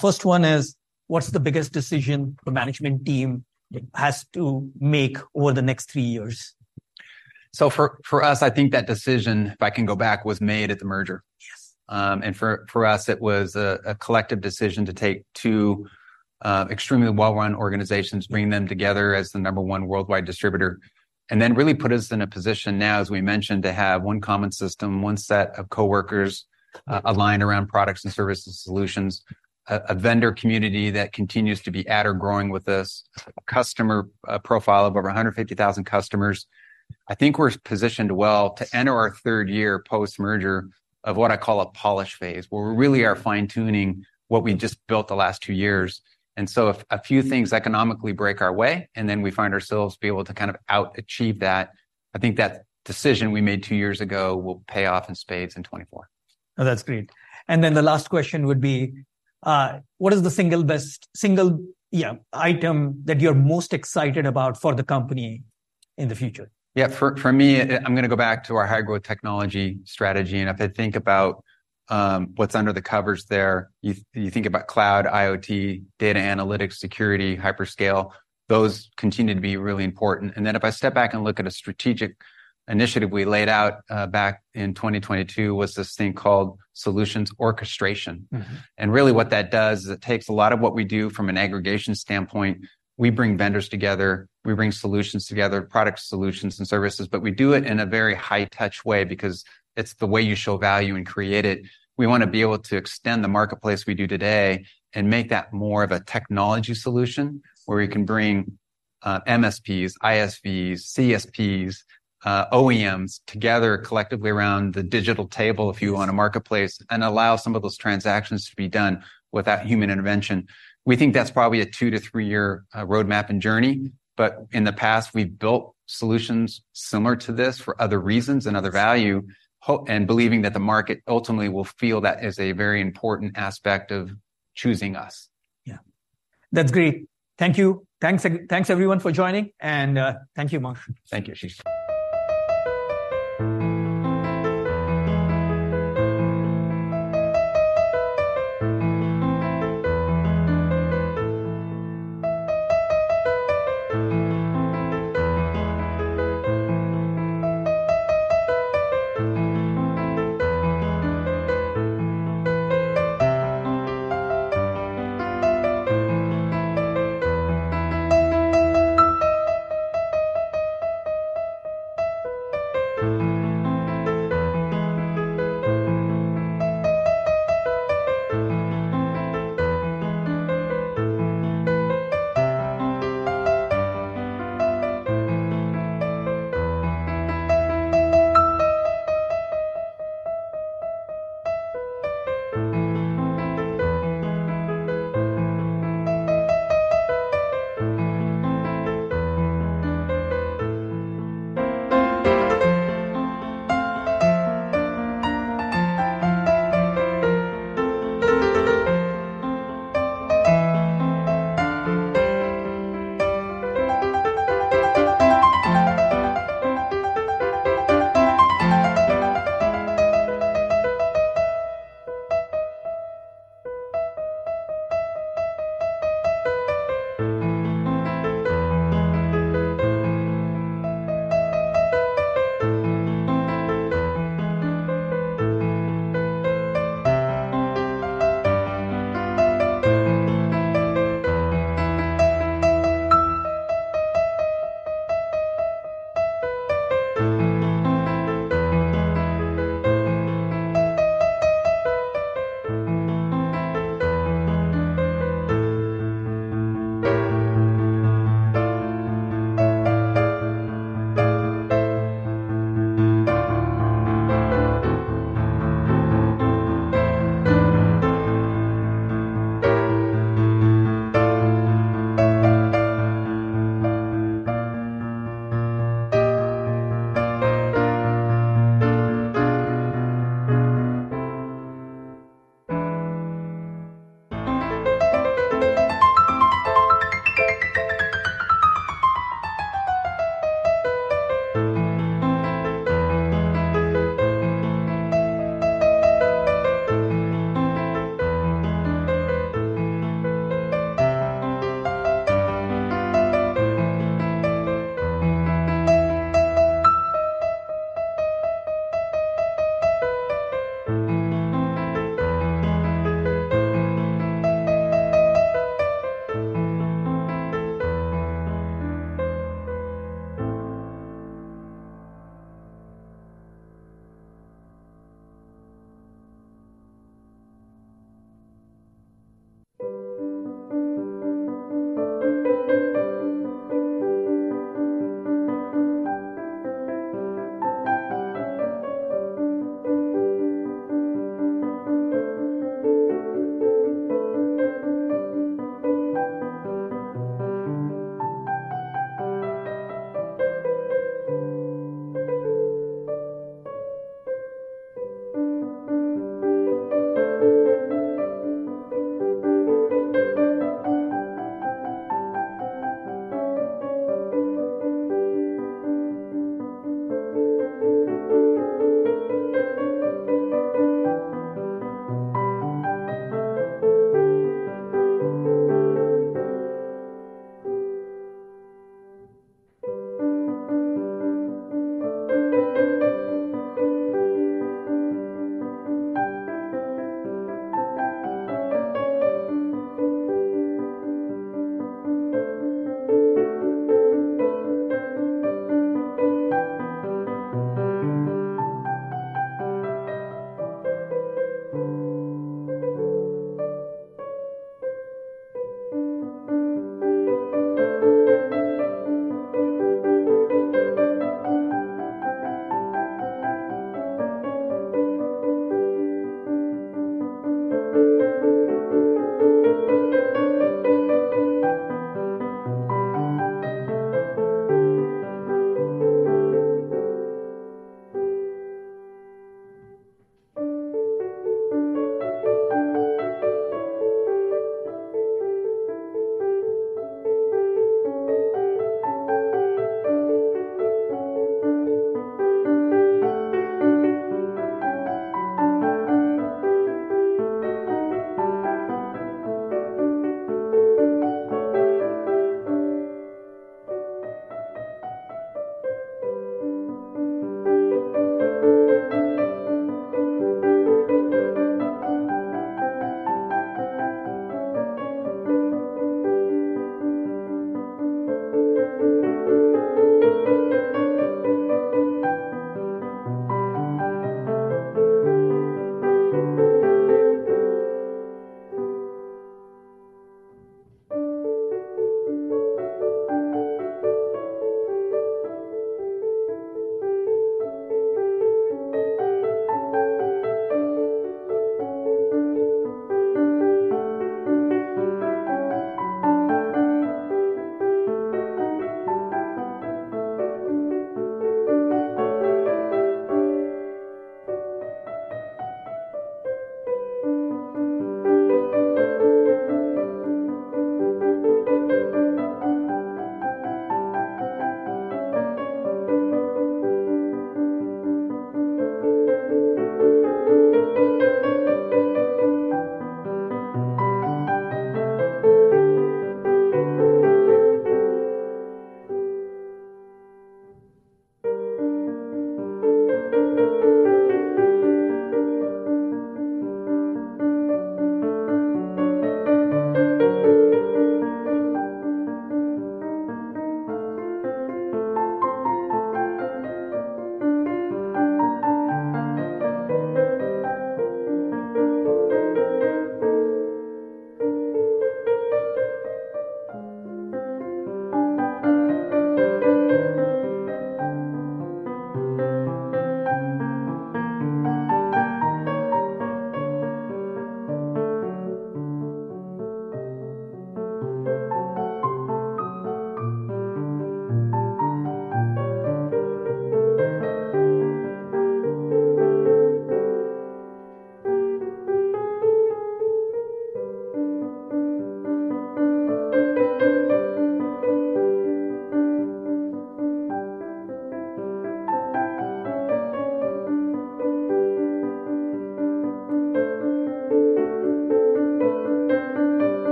S1: First one is: What's the biggest decision the management team has to make over the next three years?
S2: So for us, I think that decision, if I can go back, was made at the merger.
S1: Yes.
S2: And for us, it was a collective decision to take two extremely well-run organizations, bring them together as the number one worldwide distributor. And then really put us in a position now, as we mentioned, to have one common system, one set of coworkers aligned around products and services solutions, a vendor community that continues to be at or growing with us, customer profile of over 150,000 customers. I think we're positioned well to enter our third year post-merger of what I call a polish phase, where we really are fine-tuning what we just built the last two years. And so if a few things economically break our way, and then we find ourselves be able to kind of out-achieve that, I think that decision we made two years ago will pay off in spades in 2024.
S1: Oh, that's great. Then the last question would be, what is the single best item that you're most excited about for the company in the future?
S2: Yeah, for me, I'm gonna go back to our high-growth technology strategy. And if I think about what's under the covers there, you think about cloud, IoT, data analytics, security, hyperscale, those continue to be really important. And then, if I step back and look at a strategic initiative we laid out back in 2022, was this thing called Solutions Orchestration.
S1: Mm-hmm.
S2: Really, what that does is it takes a lot of what we do from an aggregation standpoint. We bring vendors together, we bring solutions together, product solutions and services, but we do it in a very high-touch way because it's the way you show value and create it. We wanna be able to extend the marketplace we do today and make that more of a technology solution-
S1: Sure...
S2: where we can bring MSPs, ISVs, CSPs, OEMs together collectively around the digital table, if you want a marketplace, and allow some of those transactions to be done without human intervention. We think that's probably a 2-3-year roadmap and journey, but in the past, we've built solutions similar to this for other reasons and other value, and believing that the market ultimately will feel that is a very important aspect of choosing us.
S1: Yeah. That's great. Thank you. Thanks again, everyone, for joining, and thank you, Mark.
S2: Thank you, Ashish....
S1: everyone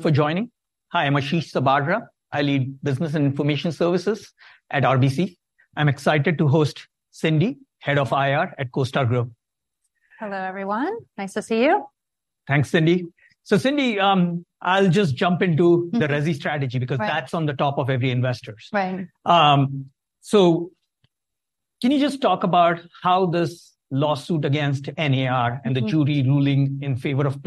S1: for joining. Hi, I'm Ashish Sabadra. I lead Business and Information Services at RBC. I'm excited to host Cyndi, Head of IR at CoStar Group.
S3: Hello, everyone. Nice to see you.
S1: Thanks, Cyndi. So Cyndi, I'll just jump into-
S3: Mm.
S1: Resi Strategy -
S3: Right.
S1: because that's on the top of every investor's.
S3: Right.
S1: Can you just talk about how this lawsuit against NAR?
S3: Mm-hmm.
S1: and the jury ruling in favor of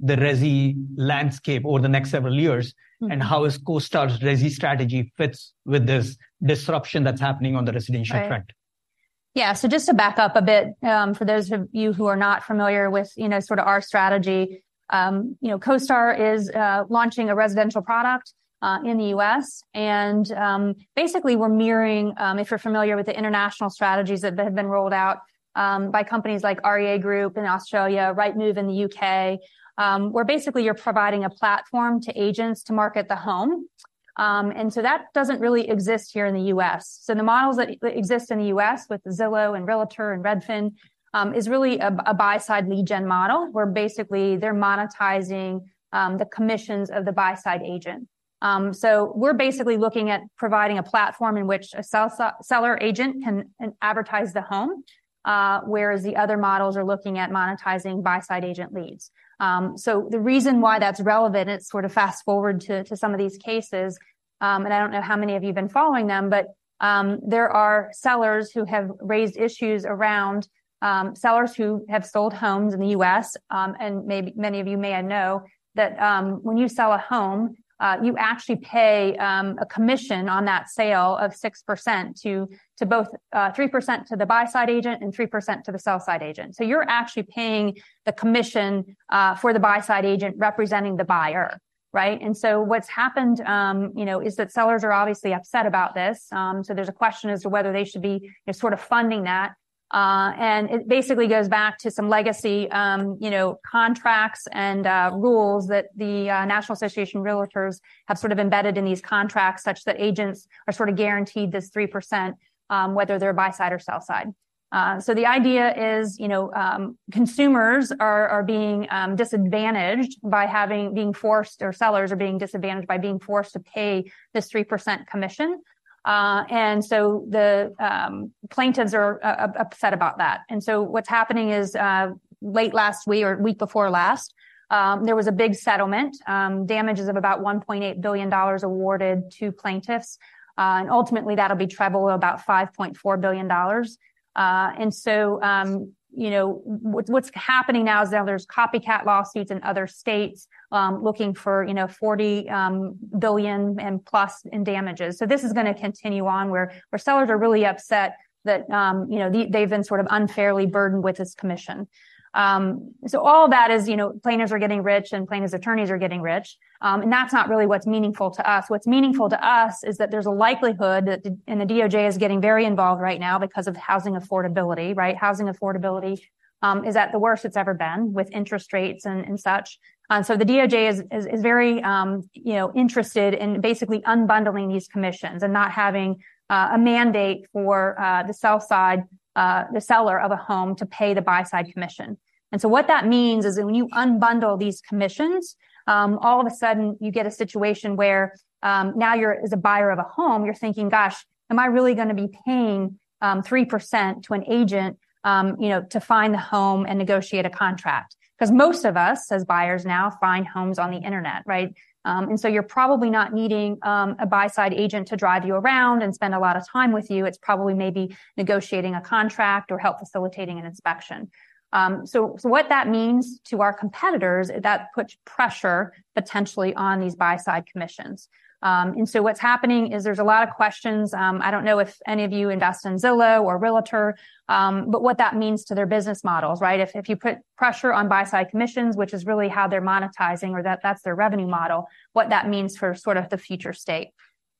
S1: the plaintiff changes the residential landscape over the next several years?
S3: Mm-hmm.
S1: How is CoStar's resi strategy fits with this disruption that's happening on the residential front?
S3: Right. Yeah, so just to back up a bit, for those of you who are not familiar with, you know, sort of our strategy, you know, CoStar is launching a residential product in the U.S. And basically, we're mirroring, if you're familiar with the international strategies that have been rolled out, by companies like REA Group in Australia, Rightmove in the U.K., where basically you're providing a platform to agents to market the home. And so that doesn't really exist here in the U.S. So the models that exist in the U.S. with Zillow and Realtor and Redfin is really a buy-side lead gen model, where basically they're monetizing the commissions of the buy-side agent. So we're basically looking at providing a platform in which a seller agent can advertise the home, whereas the other models are looking at monetizing buy-side agent leads. So the reason why that's relevant, and sort of fast-forward to some of these cases, and I don't know how many of you have been following them, but there are sellers who have raised issues around sellers who have sold homes in the U.S., and maybe many of you may not know that when you sell a home, you actually pay a commission on that sale of 6% to both, 3% to the buy-side agent and 3% to the sell-side agent. So you're actually paying the commission for the buy-side agent representing the buyer, right? And so what's happened, you know, is that sellers are obviously upset about this. So there's a question as to whether they should be, you know, sort of funding that. And it basically goes back to some legacy, you know, contracts and rules that the National Association of Realtors have sort of embedded in these contracts, such that agents are sort of guaranteed this 3%, whether they're buy-side or sell-side. So the idea is, you know, consumers are being disadvantaged by being forced or sellers are being disadvantaged by being forced to pay this 3% commission. And so the plaintiffs are upset about that. What's happening is, late last week or week before last, there was a big settlement, damages of about $1.8 billion awarded to plaintiffs. And ultimately, that'll be treble of about $5.4 billion. And so, you know, what's happening now is now there's copycat lawsuits in other states, looking for, you know, $40 billion and plus in damages. So this is gonna continue on, where sellers are really upset that, you know, the- they've been sort of unfairly burdened with this commission. So all that is, you know, plaintiffs are getting rich, and plaintiffs' attorneys are getting rich. And that's not really what's meaningful to us. What's meaningful to us is that there's a likelihood that... and the DOJ is getting very involved right now because of housing affordability, right? Housing affordability is at the worst it's ever been, with interest rates and such. And so the DOJ is very, you know, interested in basically unbundling these commissions and not having a mandate for the sell side, the seller of a home to pay the buy-side commission. And so what that means is that when you unbundle these commissions, all of a sudden you get a situation where now you as a buyer of a home, you're thinking: "Gosh, am I really gonna be paying 3% to an agent, you know, to find the home and negotiate a contract?" 'Cause most of us, as buyers now, find homes on the internet, right? And so you're probably not needing a buy-side agent to drive you around and spend a lot of time with you. It's probably maybe negotiating a contract or help facilitating an inspection. So what that means to our competitors, that puts pressure potentially on these buy-side commissions. And so what's happening is there's a lot of questions. I don't know if any of you invest in Zillow or Realtor, but what that means to their business models, right? If you put pressure on buy-side commissions, which is really how they're monetizing or that's their revenue model, what that means for sort of the future state.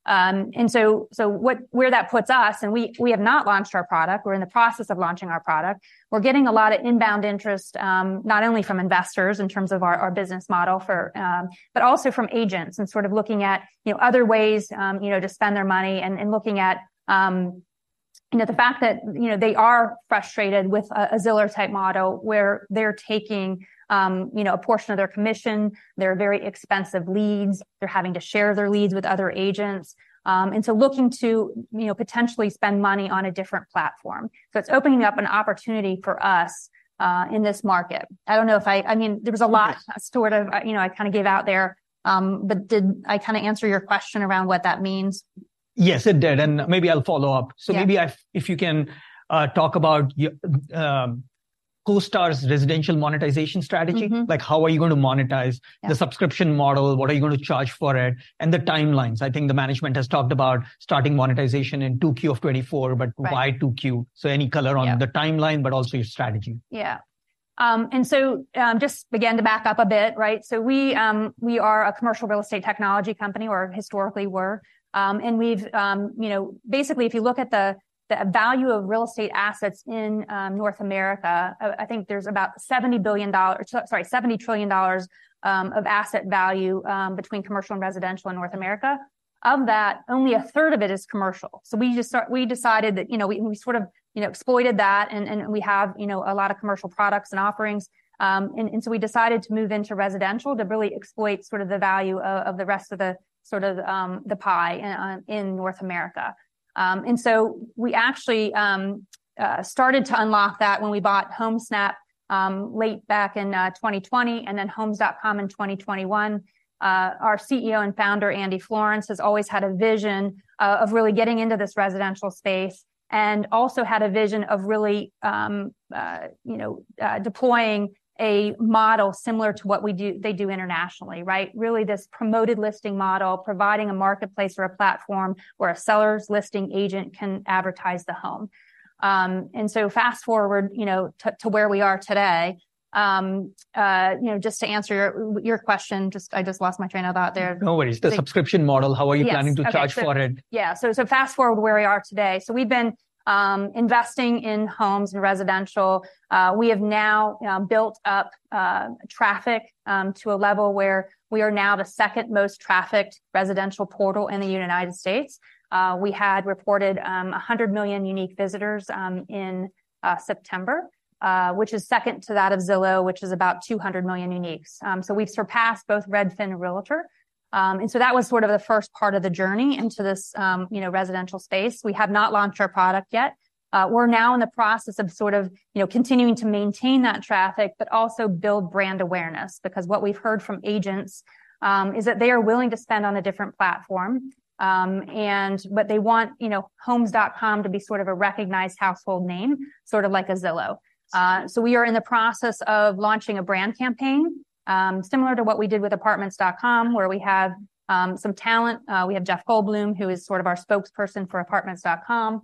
S3: And so what where that puts us, and we have not launched our product, we're in the process of launching our product. We're getting a lot of inbound interest, not only from investors in terms of our business model for... but also from agents and sort of looking at, you know, other ways, you know, to spend their money and, and looking at, you know, the fact that, you know, they are frustrated with a Zillow-type model, where they're taking, you know, a portion of their commission, their very expensive leads. They're having to share their leads with other agents, and so looking to, you know, potentially spend money on a different platform. So it's opening up an opportunity for us, in this market. I don't know if I-- I mean, there was a lot-
S1: Yes.
S3: Sort of, you know, I kind of gave out there. But did I kind of answer your question around what that means?
S1: Yes, it did, and maybe I'll follow up.
S3: Yeah.
S1: So maybe if, if you can talk about CoStar's residential monetization strategy.
S3: Mm-hmm.
S1: Like, how are you going to monetize-
S3: Yeah...
S1: the subscription model, what are you going to charge for it, and the timelines? I think the management has talked about starting monetization in 2Q of 2024-
S3: Right...
S1: but why 2Q? So any color on-
S3: Yeah...
S1: the timeline, but also your strategy.
S3: Yeah. And so, just again, to back up a bit, right? So we are a commercial real estate technology company or historically were. And we've... you know, basically, if you look at the value of real estate assets in North America, I think there's about $70 billion dollars- sorry, $70 trillion dollars, of asset value, between commercial and residential in North America. Of that, only a third of it is commercial. So we decided that, you know, we sort of, you know, exploited that, and we have, you know, a lot of commercial products and offerings. And so we decided to move into residential to really exploit sort of the value of the rest of the, sort of, the pie in North America. And so we actually started to unlock that when we bought Homesnap late back in 2020 and then Homes.com in 2021. Our CEO and founder, Andy Florance, has always had a vision of really getting into this residential space and also had a vision of really you know deploying a model similar to what we do- they do internationally, right? Really, this promoted listing model, providing a marketplace or a platform where a seller's listing agent can advertise the home. And so fast-forward, you know, to where we are today, you know, just to answer your question, just- I just lost my train of thought there.
S1: No worries. The subscription model-
S3: Yes, okay.
S1: How are you planning to charge for it?
S3: Yeah. So fast-forward where we are today. So we've been investing in homes and residential. We have now built up traffic to a level where we are now the second-most trafficked residential portal in the United States. We ahad reported 100 million unique visitors in September, which is second to that of Zillow, which is about 200 million uniques. So we've surpassed both Redfin and Realtor. And so that was sort of the first part of the journey into this, you know, residential space. We have not launched our product yet. We're now in the process of sort of, you know, continuing to maintain that traffic, but also build brand awareness. Because what we've heard from agents is that they are willing to spend on a different platform, but they want, you know, Homes.com to be sort of a recognized household name, sort of like a Zillow.
S1: Yes.
S3: So we are in the process of launching a brand campaign, similar to what we did with Apartments.com, where we have some talent. We have Jeff Goldblum, who is sort of our spokesperson for Apartments.com.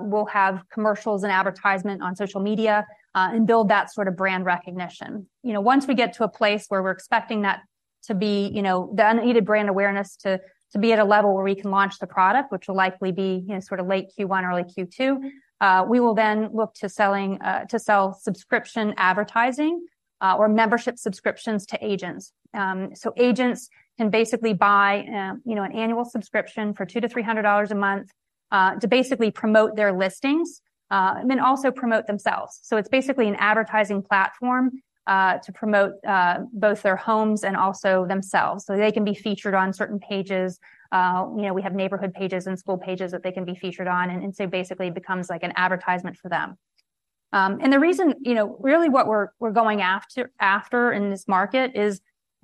S3: We'll have commercials and advertisement on social media, and build that sort of brand recognition. You know, once we get to a place where we're expecting that to be, you know, the unaided brand awareness to be at a level where we can launch the product, which will likely be, you know, sort of late Q1, early Q2. We will then look to sell subscription advertising or membership subscriptions to agents. So agents can basically buy, you know, an annual subscription for $200-$300 a month, to basically promote their listings, and then also promote themselves. So it's basically an advertising platform to promote both their homes and also themselves, so they can be featured on certain pages. You know, we have neighborhood pages and school pages that they can be featured on, and so basically it becomes like an advertisement for them. And the reason, you know... Really what we're going after in this market is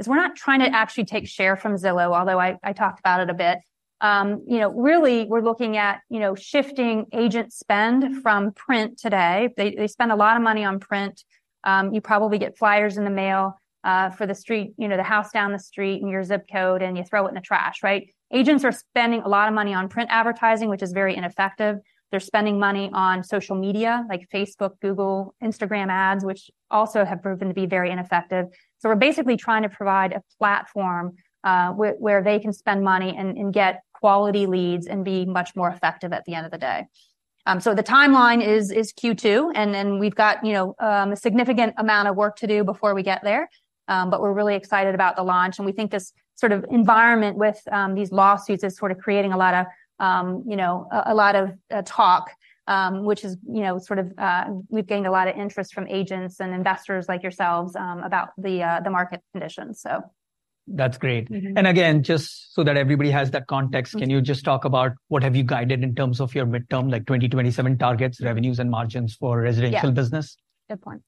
S3: we're not trying to actually take share from Zillow, although I talked about it a bit. You know, really we're looking at shifting agent spend from print today. They spend a lot of money on print. You probably get flyers in the mail for the street, you know, the house down the street and your ZIP code, and you throw it in the trash, right? Agents are spending a lot of money on print advertising, which is very ineffective. They're spending money on social media, like Facebook, Google, Instagram Ads, which also have proven to be very ineffective. So we're basically trying to provide a platform where they can spend money and get quality leads and be much more effective at the end of the day. The timeline is Q2, and then we've got, you know, a significant amount of work to do before we get there. We're really excited about the launch, and we think this sort of environment with these lawsuits is sort of creating a lot of, you know, a lot of talk, which is, you know, sort of, we've gained a lot of interest from agents and investors like yourselves, about the market conditions, so.
S1: That's great.
S3: Mm-hmm.
S1: Again, just so that everybody has that context-
S3: Mm.
S1: Can you just talk about what have you guided in terms of your midterm, like 2027 targets, revenues, and margins for residential business?
S3: Yeah. Good point.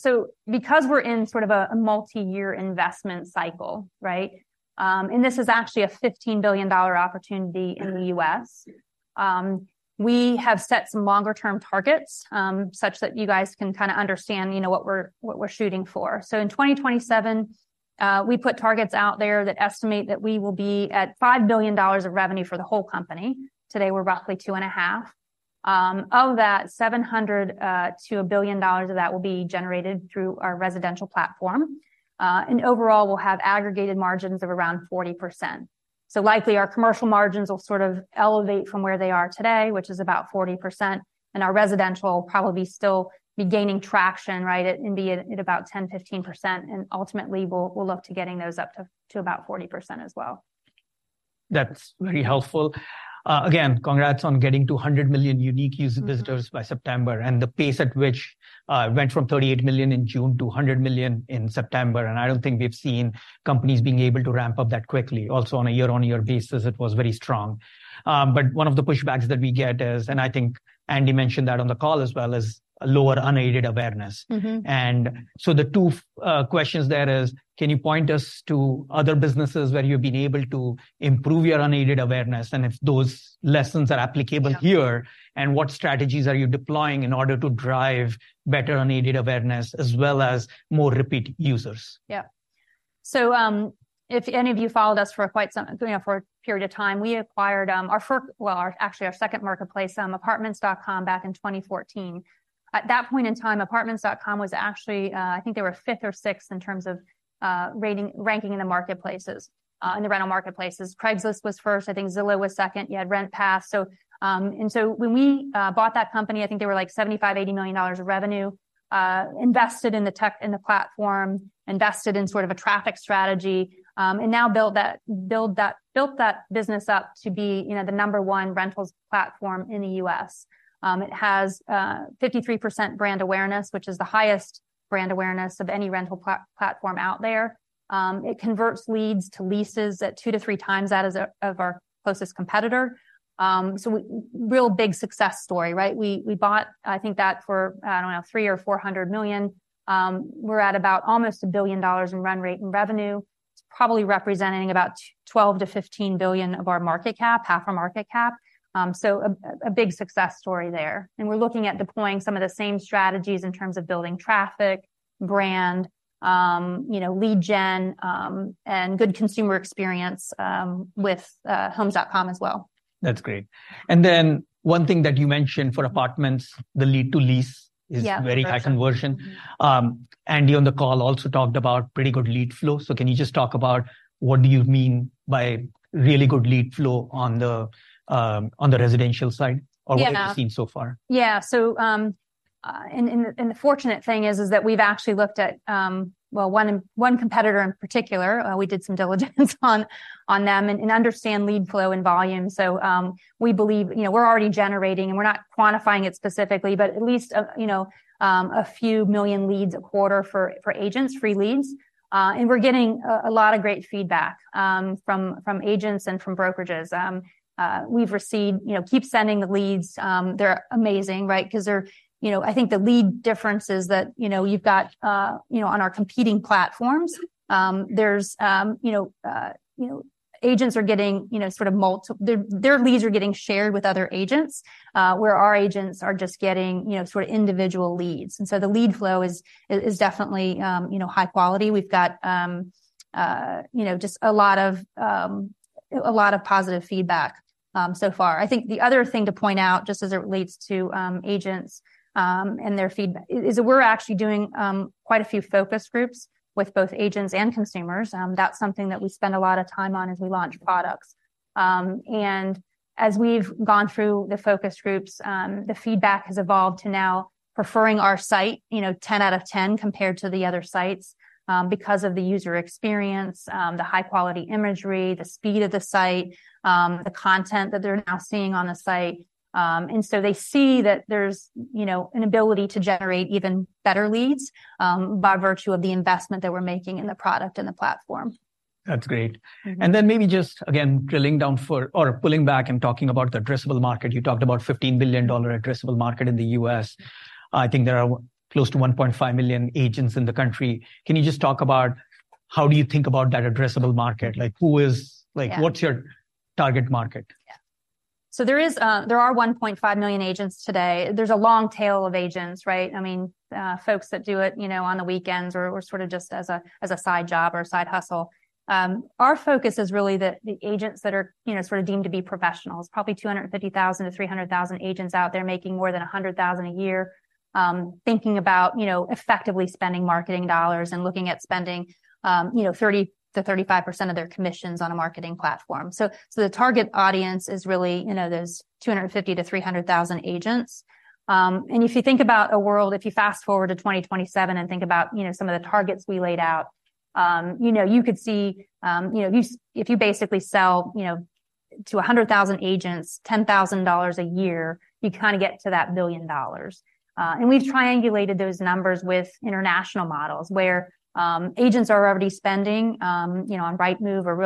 S3: So because we're in sort of a multi-year investment cycle, right? And this is actually a $15 billion opportunity in the U.S.-
S1: Mm.
S3: We have set some longer term targets, such that you guys can kind of understand, you know, what we're shooting for. So in 2027, we put targets out there that estimate that we will be at $5 billion of revenue for the whole company. Today, we're roughly $2.5 billion. Of that, $700 million to $1 billion of that will be generated through our residential platform. And overall, we'll have aggregated margins of around 40%. So likely, our commercial margins will sort of elevate from where they are today, which is about 40%, and our residential will probably still be gaining traction, right? And be at about 10%-15%, and ultimately we'll look to getting those up to about 40% as well.
S1: That's very helpful. Again, congrats on getting to 100 million unique user-
S3: Mm...
S1: visitors by September, and the pace at which it went from 38 million in June to 100 million in September, and I don't think we've seen companies being able to ramp up that quickly. Also, on a year-on-year basis, it was very strong. But one of the pushbacks that we get is, and I think Andy mentioned that on the call as well, is a lower unaided awareness.
S3: Mm-hmm.
S1: And so the two questions there is: can you point us to other businesses where you've been able to improve your unaided awareness, and if those lessons are applicable here?
S3: Yeah.
S1: What strategies are you deploying in order to drive better unaided awareness as well as more repeat users?
S3: Yeah. So, if any of you followed us for quite some, you know, for a period of time, we acquired, well, actually our second marketplace, Apartments.com, back in 2014. At that point in time, Apartments.com was actually, I think they were fifth or sixth in terms of ranking in the marketplaces, in the rental marketplaces. Craigslist was first. I think Zillow was second. You had RentPath. So, when we bought that company, I think they were, like, $75 million-$80 million of revenue, invested in the tech, in the platform, invested in sort of a traffic strategy, and now built that business up to be, you know, the number one rentals platform in the U.S. It has 53% brand awareness, which is the highest brand awareness of any rental platform out there. It converts leads to leases at 2-3 times that of our closest competitor. Real big success story, right? We bought, I think, that for, I don't know, $300 million or $400 million. We're at about almost $1 billion in run rate and revenue. It's probably representing about 12 billion-15 billion of our market cap, half our market cap. A big success story there, and we're looking at deploying some of the same strategies in terms of building traffic, brand, you know, lead gen, and good consumer experience, with Homes.com as well.
S1: That's great. And then one thing that you mentioned for apartments, the lead to lease-
S3: Yeah...
S1: is very high conversion.
S3: Mm-hmm.
S1: Andy, on the call, also talked about pretty good lead flow. So can you just talk about what do you mean by really good lead flow on the residential side-
S3: Yeah...
S1: or what have you seen so far?
S3: Yeah. So, the fortunate thing is that we've actually looked at... well, one competitor in particular, we did some diligence on them, and understand lead flow and volume. So, we believe, you know, we're already generating, and we're not quantifying it specifically, but at least a, you know, a few million leads a quarter for agents, free leads. And we're getting a lot of great feedback from agents and from brokerages. We've received, you know, "Keep sending the leads, they're amazing," right? 'Cause they're, you know... I think the lead differences that, you know, you've got, you know, on our competing platforms, there's, you know, agents are getting, you know, sort of multiple their leads are getting shared with other agents, where our agents are just getting, you know, sort of individual leads. And so the lead flow is definitely, you know, high quality. We've got, you know, just a lot of positive feedback so far. I think the other thing to point out, just as it relates to agents and their feedback, is that we're actually doing quite a few focus groups with both agents and consumers. That's something that we spend a lot of time on as we launch products. And as we've gone through the focus groups, the feedback has evolved to now preferring our site, you know, 10 out of 10, compared to the other sites, because of the user experience, the high quality imagery, the speed of the site, the content that they're now seeing on the site. And so they see that there's, you know, an ability to generate even better leads, by virtue of the investment that we're making in the product and the platform.
S1: That's great.
S3: Mm-hmm.
S1: And then maybe just, again, drilling down or pulling back and talking about the addressable market. You talked about $15 billion addressable market in the U.S. I think there are close to 1.5 million agents in the country. Can you just talk about how do you think about that addressable market?
S3: Yeah.
S1: Like, who is-
S3: Yeah.
S1: Like, what's your target market?
S3: Yeah. So there is... There are 1.5 million agents today. There's a long tail of agents, right? I mean, folks that do it, you know, on the weekends or, or sort of just as a, as a side job or a side hustle. Our focus is really the, the agents that are, you know, sort of deemed to be professionals. Probably 250,000-300,000 agents out there making more than $100,000 a year, thinking about, you know, effectively spending marketing dollars and looking at spending, you know, 30%-35% of their commissions on a marketing platform. So, so the target audience is really, you know, those 250,000-300,000 agents. And if you think about a world, if you fast forward to 2027 and think about, you know, some of the targets we laid out, you know, you could see, you know, if you, if you basically sell, you know, to 100,000 agents, $10,000 a year, you kind of get to that $1 billion. And we've triangulated those numbers with international models, where agents are already spending, you know, on Rightmove or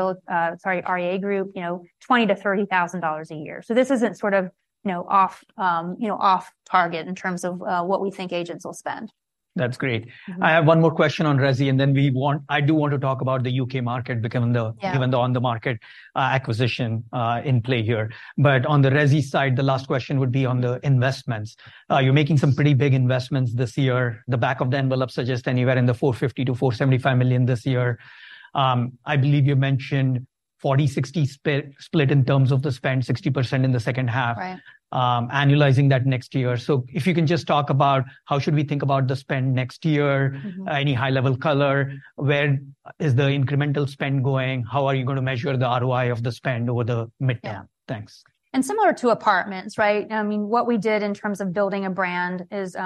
S3: REA Group, you know, $20,000-$30,000 a year. So this isn't sort of, you know, off, you know, off target in terms of, what we think agents will spend.
S1: That's great.
S3: Mm-hmm.
S1: I have one more question on resi, and then we want-- I do want to talk about the U.K. market, given the-
S3: Yeah...
S1: given the OnTheMarket, acquisition, in play here. But on the resi side, the last question would be on the investments. You're making some pretty big investments this year. The back of the envelope suggest anywhere in the $450 million-$475 million this year. I believe you mentioned 40-60 split in terms of the spend, 60% in the second half.
S3: Right.
S1: Annualizing that next year. So if you can just talk about how should we think about the spend next year?
S3: Mm-hmm.
S1: Any high-level color? Where is the incremental spend going? How are you going to measure the ROI of the spend over the midterm?
S3: Yeah.
S1: Thanks.
S3: Similar to apartments, right? I mean, what we did in terms of building a brand is,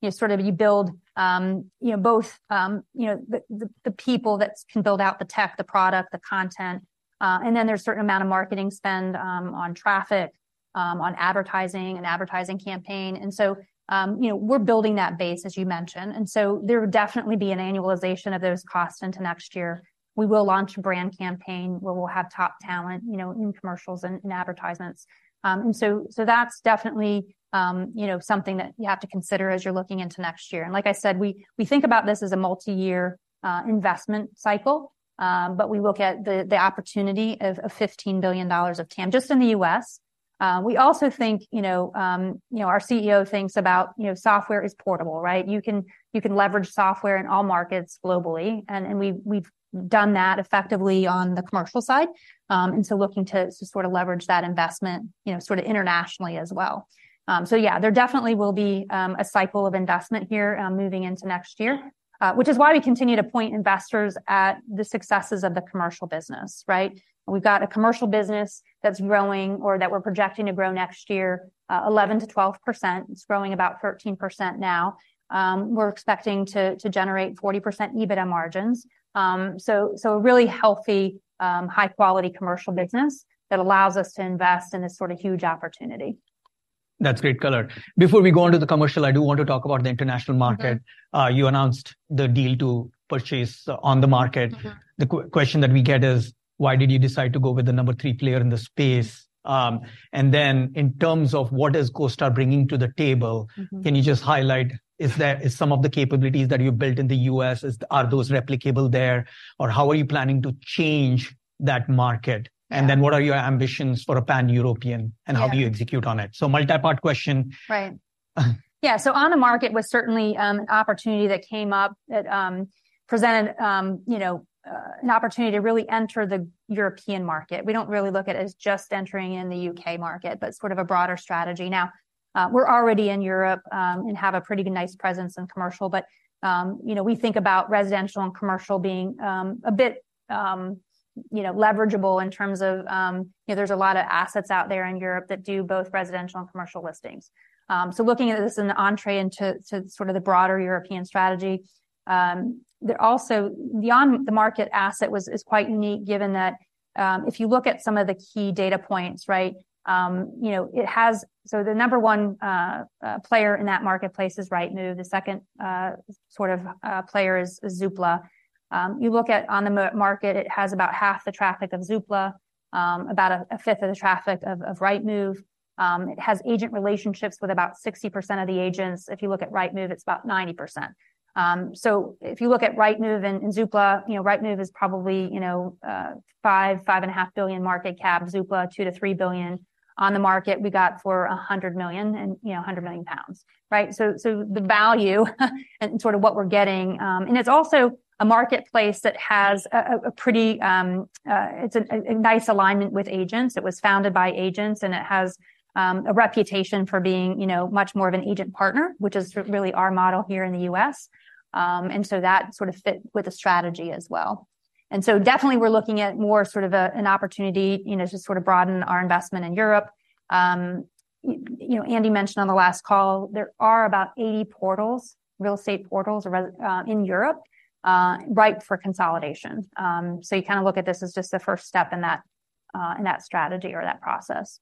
S3: you sort of build, you know, both, you know, the people that can build out the tech, the product, the content, and then there's a certain amount of marketing spend on traffic, on advertising and advertising campaign. So, you know, we're building that base, as you mentioned, and so there would definitely be an annualization of those costs into next year. We will launch a brand campaign, where we'll have top talent, you know, in commercials and advertisements. So, that's definitely, you know, something that you have to consider as you're looking into next year. And like I said, we think about this as a multi-year investment cycle. But we look at the opportunity of $15 billion of TAM, just in the US. We also think, you know, our CEO thinks about, you know, software is portable, right? You can leverage software in all markets globally, and we've done that effectively on the commercial side. And so looking to sort of leverage that investment, you know, sort of internationally as well. So yeah, there definitely will be a cycle of investment here, moving into next year. Which is why we continue to point investors at the successes of the commercial business, right? We've got a commercial business that's growing or that we're projecting to grow next year, 11%-12%. It's growing about 13% now. We're expecting to generate 40% EBITDA margins. So, a really healthy, high-quality commercial business that allows us to invest in this sort of huge opportunity.
S1: That's great color. Before we go on to the commercial, I do want to talk about the international market.
S3: Mm-hmm.
S1: You announced the deal to purchase OnTheMarket.
S3: Mm-hmm.
S1: The question that we get is, why did you decide to go with the number three player in the space? And then in terms of what is CoStar bringing to the table-
S3: Mm-hmm...
S1: can you just highlight, is there some of the capabilities that you built in the U.S., are those replicable there, or how are you planning to change that market?
S3: Yeah.
S1: What are your ambitions for a Pan-European-
S3: Yeah...
S1: and how do you execute on it? So multi-part question.
S3: Right. Yeah, so OnTheMarket was certainly an opportunity that came up that presented you know an opportunity to really enter the European market. We don't really look at it as just entering in the UK market, but sort of a broader strategy. Now, we're already in Europe and have a pretty nice presence in commercial, but you know we think about residential and commercial being a bit you know leverageable in terms of you know there's a lot of assets out there in Europe that do both residential and commercial listings. So looking at this as an entrée into to sort of the broader European strategy, there also... The OnTheMarket asset was, is quite unique, given that, if you look at some of the key data points, right, you know, it has. So the number one player in that marketplace is Rightmove. The second, sort of, player is Zoopla. You look at OnTheMarket, it has about half the traffic of Zoopla, about a fifth of the traffic of Rightmove. It has agent relationships with about 60% of the agents. If you look at Rightmove, it's about 90%. So if you look at Rightmove and Zoopla, you know, Rightmove is probably, you know, 5 billion-5.5 billion market cap, Zoopla, 2 billion-3 billion. OnTheMarket, we got for 100 million, and, you know, 100 million pounds, right? So the value, and sort of what we're getting. And it's also a marketplace that has a pretty, it's a nice alignment with agents. It was founded by agents, and it has a reputation for being, you know, much more of an agent partner, which is really our model here in the U.S. And so that sort of fit with the strategy as well. And so definitely we're looking at more sort of an opportunity, you know, to sort of broaden our investment in Europe. You know, Andy mentioned on the last call, there are about 80 portals, real estate portals or in Europe, ripe for consolidation. So you kind of look at this as just the first step in that, in that strategy or that process.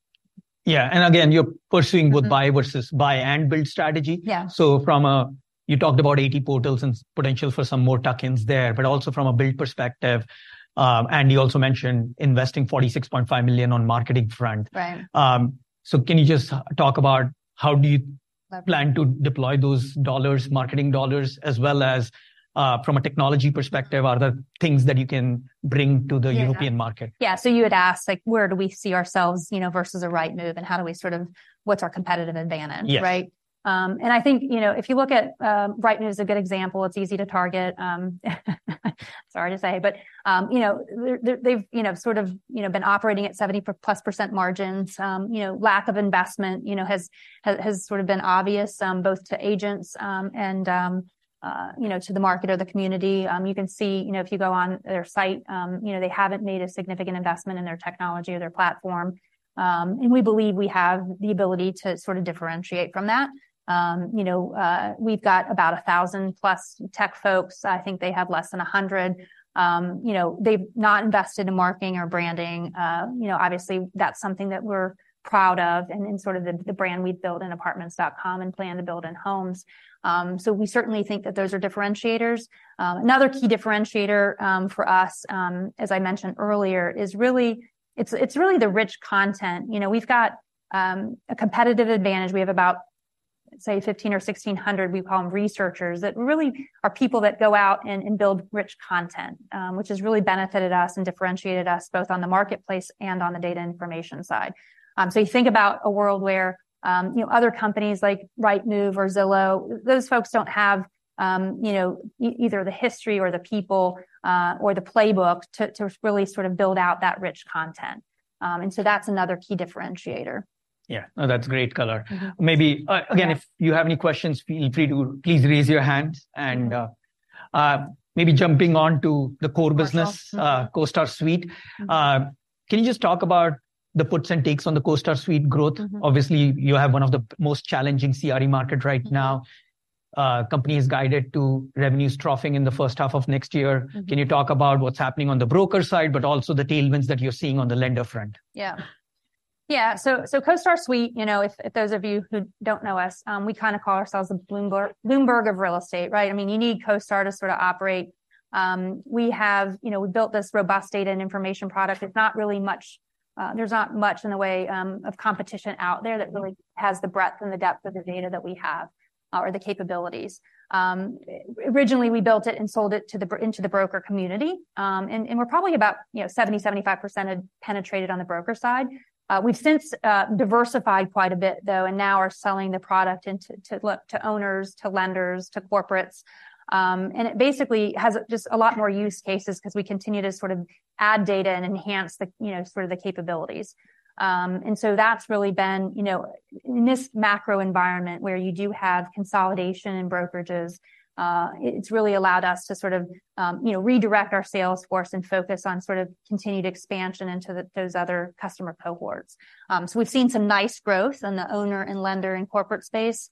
S1: Yeah, and again, you're pursuing-
S3: Mm-hmm
S1: Both buy versus buy and build strategy.
S3: Yeah.
S1: So from a you talked about 80 portals and potential for some more tuck-ins there, but also from a build perspective, Andy also mentioned investing $46.5 million on marketing front.
S3: Right.
S1: So, can you just talk about how do you-
S3: Love it
S1: -plan to deploy those dollars, marketing dollars, as well as, from a technology perspective, are there things that you can bring to the European market?
S3: Yeah. Yeah, so you had asked, like, where do we see ourselves, you know, versus Rightmove, and how do we sort of, what's our competitive advantage?
S1: Yes.
S3: Right? And I think, you know, if you look at Rightmove as a good example, it's easy to target. Sorry to say, but, you know, they've, you know, sort of, you know, been operating at 70%+ margins. You know, lack of investment, you know, has sort of been obvious, both to agents and, you know, to the market or the community. You can see, you know, if you go on their site, you know, they haven't made a significant investment in their technology or their platform. And we believe we have the ability to sort of differentiate from that. You know, we've got about 1,000+ tech folks. I think they have less than 100. You know, they've not invested in marketing or branding. You know, obviously, that's something that we're proud of and sort of the brand we've built in Apartments.com and plan to build in Homes.com. So we certainly think that those are differentiators. Another key differentiator for us, as I mentioned earlier, is really—it's, it's really the rich content. You know, we've got a competitive advantage. We have about, say, 1,500 or 1,600, we call them researchers, that really are people that go out and build rich content, which has really benefited us and differentiated us both on the marketplace and on the data information side. So you think about a world where, you know, other companies like Rightmove or Zillow, those folks don't have, you know, either the history or the people, or the playbook to really sort of build out that rich content. And so that's another key differentiator.
S1: Yeah. No, that's great color.
S3: Mm-hmm.
S1: Maybe, uh-
S3: Yeah...
S1: again, if you have any questions, feel free to please raise your hands. And maybe jumping on to the core business-
S3: Of course...
S1: CoStar Suite.
S3: Mm-hmm.
S1: Can you just talk about the puts and takes on the CoStar Suite growth?
S3: Mm-hmm.
S1: Obviously, you have one of the most challenging CRE market right now.
S3: Mm-hmm.
S1: Company is guided to revenues troughing in the first half of next year.
S3: Mm-hmm.
S1: Can you talk about what's happening on the broker side, but also the tailwinds that you're seeing on the lender front?
S3: Yeah. Yeah, so CoStar Suite, you know, if those of you who don't know us, we kind of call ourselves the Bloomberg of real estate, right? I mean, you need CoStar to sort of operate. We have, you know, we built this robust data and information product. It's not really much. There's not much in the way of competition out there.
S1: Mm-hmm...
S3: that really has the breadth and the depth of the data that we have, or the capabilities. Originally, we built it and sold it into the broker community. And we're probably about, you know, 70%-75% penetrated on the broker side. We've since diversified quite a bit, though, and now are selling the product into LoopNet, to owners, to lenders, to corporates. And it basically has just a lot more use cases because we continue to sort of add data and enhance the, you know, sort of the capabilities. And so that's really been, you know, in this macro environment where you do have consolidation in brokerages, it's really allowed us to sort of, you know, redirect our sales force and focus on sort of continued expansion into those other customer cohorts. So we've seen some nice growth in the owner and lender and corporate space.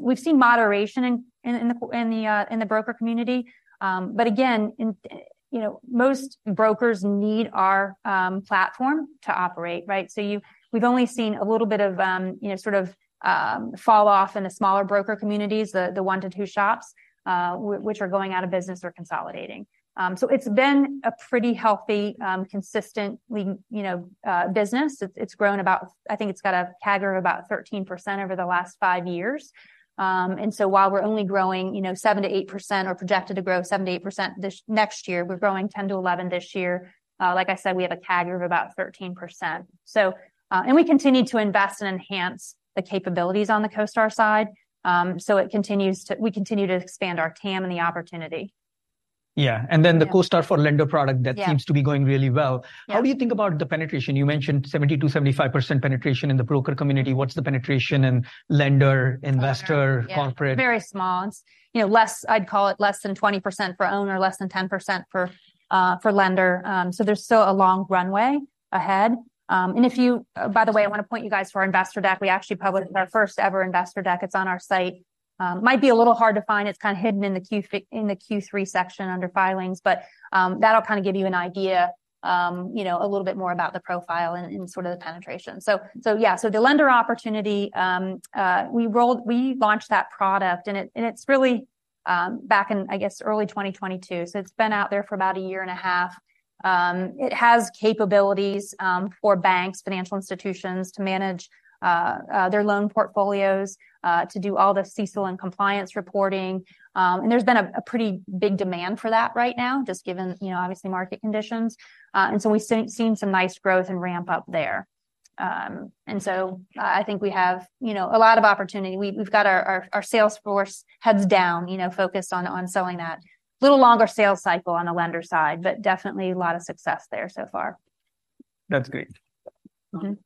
S3: We've seen moderation in the broker community. But again, you know, most brokers need our platform to operate, right? So we've only seen a little bit of, you know, sort of, falloff in the smaller broker communities, the one to two shops, which are going out of business or consolidating. So it's been a pretty healthy, consistent, you know, business. It's grown about. I think it's got a CAGR of about 13% over the last five years. And so while we're only growing, you know, 7%-8% or projected to grow 7%-8% next year, we're growing 10%-11% this year. Like I said, we have a CAGR of about 13%. So, and we continue to invest and enhance the capabilities on the CoStar side. So we continue to expand our TAM and the opportunity.
S1: Yeah.
S3: Yeah.
S1: And then the CoStar for lender product-
S3: Yeah...
S1: that seems to be going really well.
S3: Yeah.
S1: How do you think about the penetration? You mentioned 70%-75% penetration in the broker community. What's the penetration in lender, investor-
S3: Yeah...
S1: corporate?
S3: Very small. You know, less—I'd call it less than 20% for owner, less than 10% for lender. So there's still a long runway ahead. And if you... By the way, I want to point you guys to our investor deck. We actually published our first ever investor deck. It's on our site. It might be a little hard to find. It's kind of hidden in the Q3 section under Filings, but that'll kind of give you an idea, you know, a little bit more about the profile and sort of the penetration. So yeah, so the lender opportunity, we launched that product, and it's really back in, I guess, early 2022. So it's been out there for about a year and a half. It has capabilities for banks, financial institutions, to manage their loan portfolios, to do all the CECL and compliance reporting. There's been a pretty big demand for that right now, just given, you know, obviously, market conditions. So we've seen some nice growth and ramp up there. So I think we have, you know, a lot of opportunity. We've got our sales force heads down, you know, focused on selling that. Little longer sales cycle on the lender side, but definitely a lot of success there so far....
S1: That's great. Mm-hmm.
S4: How much of the historical growth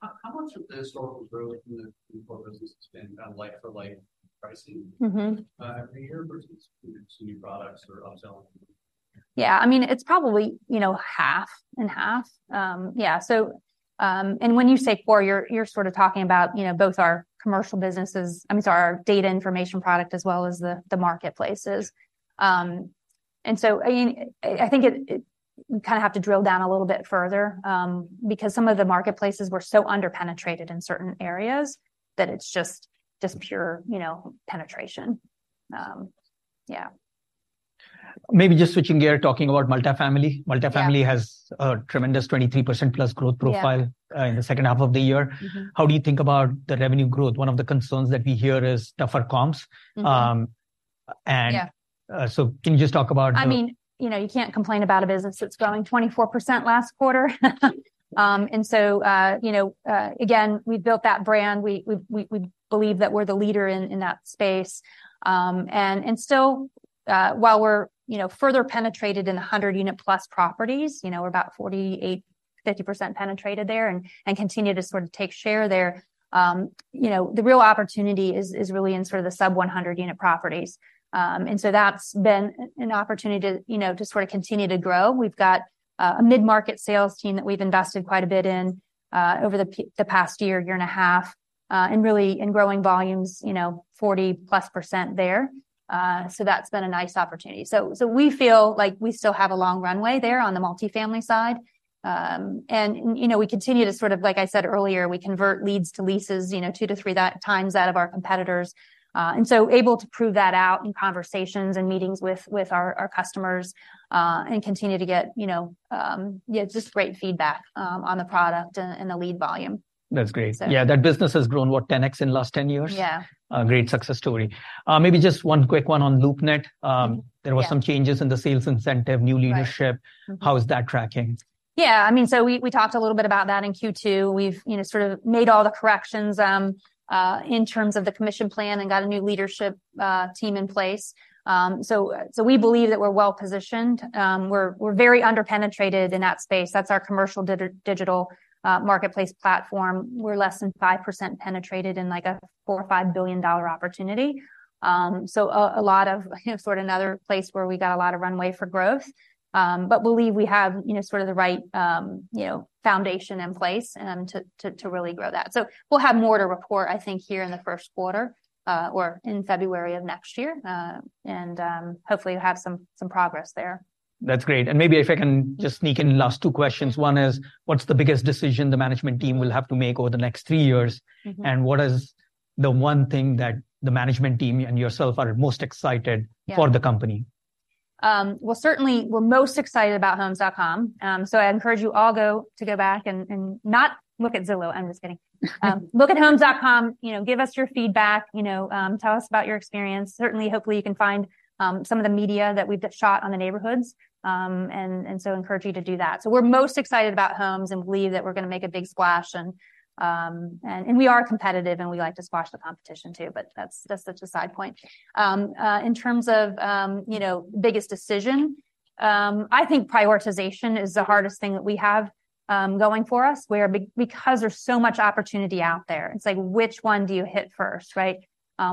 S4: in the core business has been on like for like pricing-
S3: Mm-hmm.
S4: every year versus new products or upselling?
S3: Yeah, I mean, it's probably, you know, half and half. Yeah, so, and when you say core, you're sort of talking about, you know, both our commercial businesses, I'm sorry, our data information product as well as the marketplaces. And so, I mean, I think it, you kind of have to drill down a little bit further, because some of the marketplaces were so underpenetrated in certain areas that it's just pure, you know, penetration. Yeah.
S1: Maybe just switching gear, talking about multifamily.
S3: Yeah.
S1: Multifamily has a tremendous 23%+ growth profile-
S3: Yeah.
S1: in the second half of the year.
S3: Mm-hmm.
S1: How do you think about the revenue growth? One of the concerns that we hear is tougher comps.
S3: Mm-hmm.
S1: Um, and-
S3: Yeah.
S1: Can you just talk about the-
S3: I mean, you know, you can't complain about a business that's growing 24% last quarter. And so, you know, again, we built that brand. We believe that we're the leader in that space. And so, while we're, you know, further penetrated in 100-unit-plus properties, you know, we're about 48%-50% penetrated there, and continue to sort of take share there. You know, the real opportunity is really in sort of the sub-100-unit properties. And so that's been an opportunity to, you know, to sort of continue to grow. We've got a mid-market sales team that we've invested quite a bit in over the past year and a half, and really in growing volumes, you know, 40+% there. So that's been a nice opportunity. So we feel like we still have a long runway there on the multifamily side. And, you know, we continue to sort of like I said earlier, we convert leads to leases, you know, 2-3 times that of our competitors. And so able to prove that out in conversations and meetings with our customers, and continue to get, you know, yeah, just great feedback on the product and the lead volume.
S1: That's great.
S3: So-
S1: Yeah, that business has grown, what? 10x in the last 10 years.
S3: Yeah.
S1: A great success story. Maybe just one quick one on LoopNet. There were-
S3: Yeah...
S1: some changes in the sales incentive, new leadership.
S3: Right. Mm-hmm.
S1: How is that tracking?
S3: Yeah, I mean, so we talked a little bit about that in Q2. We've, you know, sort of made all the corrections in terms of the commission plan and got a new leadership team in place. So we believe that we're well positioned. We're very underpenetrated in that space. That's our commercial digital marketplace platform. We're less than 5% penetrated in, like, a $4 billion-$5 billion opportunity. So a lot of, you know, sort of another place where we got a lot of runway for growth. But we believe we have, you know, sort of the right foundation in place to really grow that. So we'll have more to report, I think, here in the first quarter or in February of next year. Hopefully, we'll have some progress there.
S1: That's great. And maybe if I can just sneak in last two questions. One is: What's the biggest decision the management team will have to make over the next three years?
S3: Mm-hmm.
S1: What is the one thing that the management team and yourself are most excited-
S3: Yeah...
S1: for the company?
S3: Well, certainly we're most excited about Homes.com. So I encourage you all to go back and, and not look at Zillow. I'm just kidding. Look at Homes.com. You know, give us your feedback. You know, tell us about your experience. Certainly, hopefully, you can find some of the media that we've shot on the neighborhoods, and, and so encourage you to do that. So we're most excited about Homes and believe that we're going to make a big splash and, and, and we are competitive, and we like to splash the competition, too, but that's, that's such a side point. In terms of, you know, biggest decision, I think prioritization is the hardest thing that we have going for us, because there's so much opportunity out there, it's like: Which one do you hit first, right?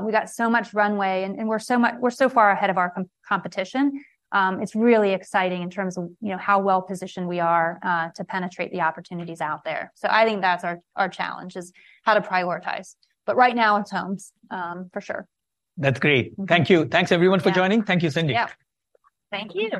S3: We've got so much runway, and we're so far ahead of our competition. It's really exciting in terms of, you know, how well-positioned we are to penetrate the opportunities out there. So I think that's our challenge, is how to prioritize. But right now it's Homes for sure.
S1: That's great.
S3: Mm-hmm.
S1: Thank you. Thanks, everyone, for joining.
S3: Yeah.
S1: Thank you, Cyndi.
S3: Yeah. Thank you. ...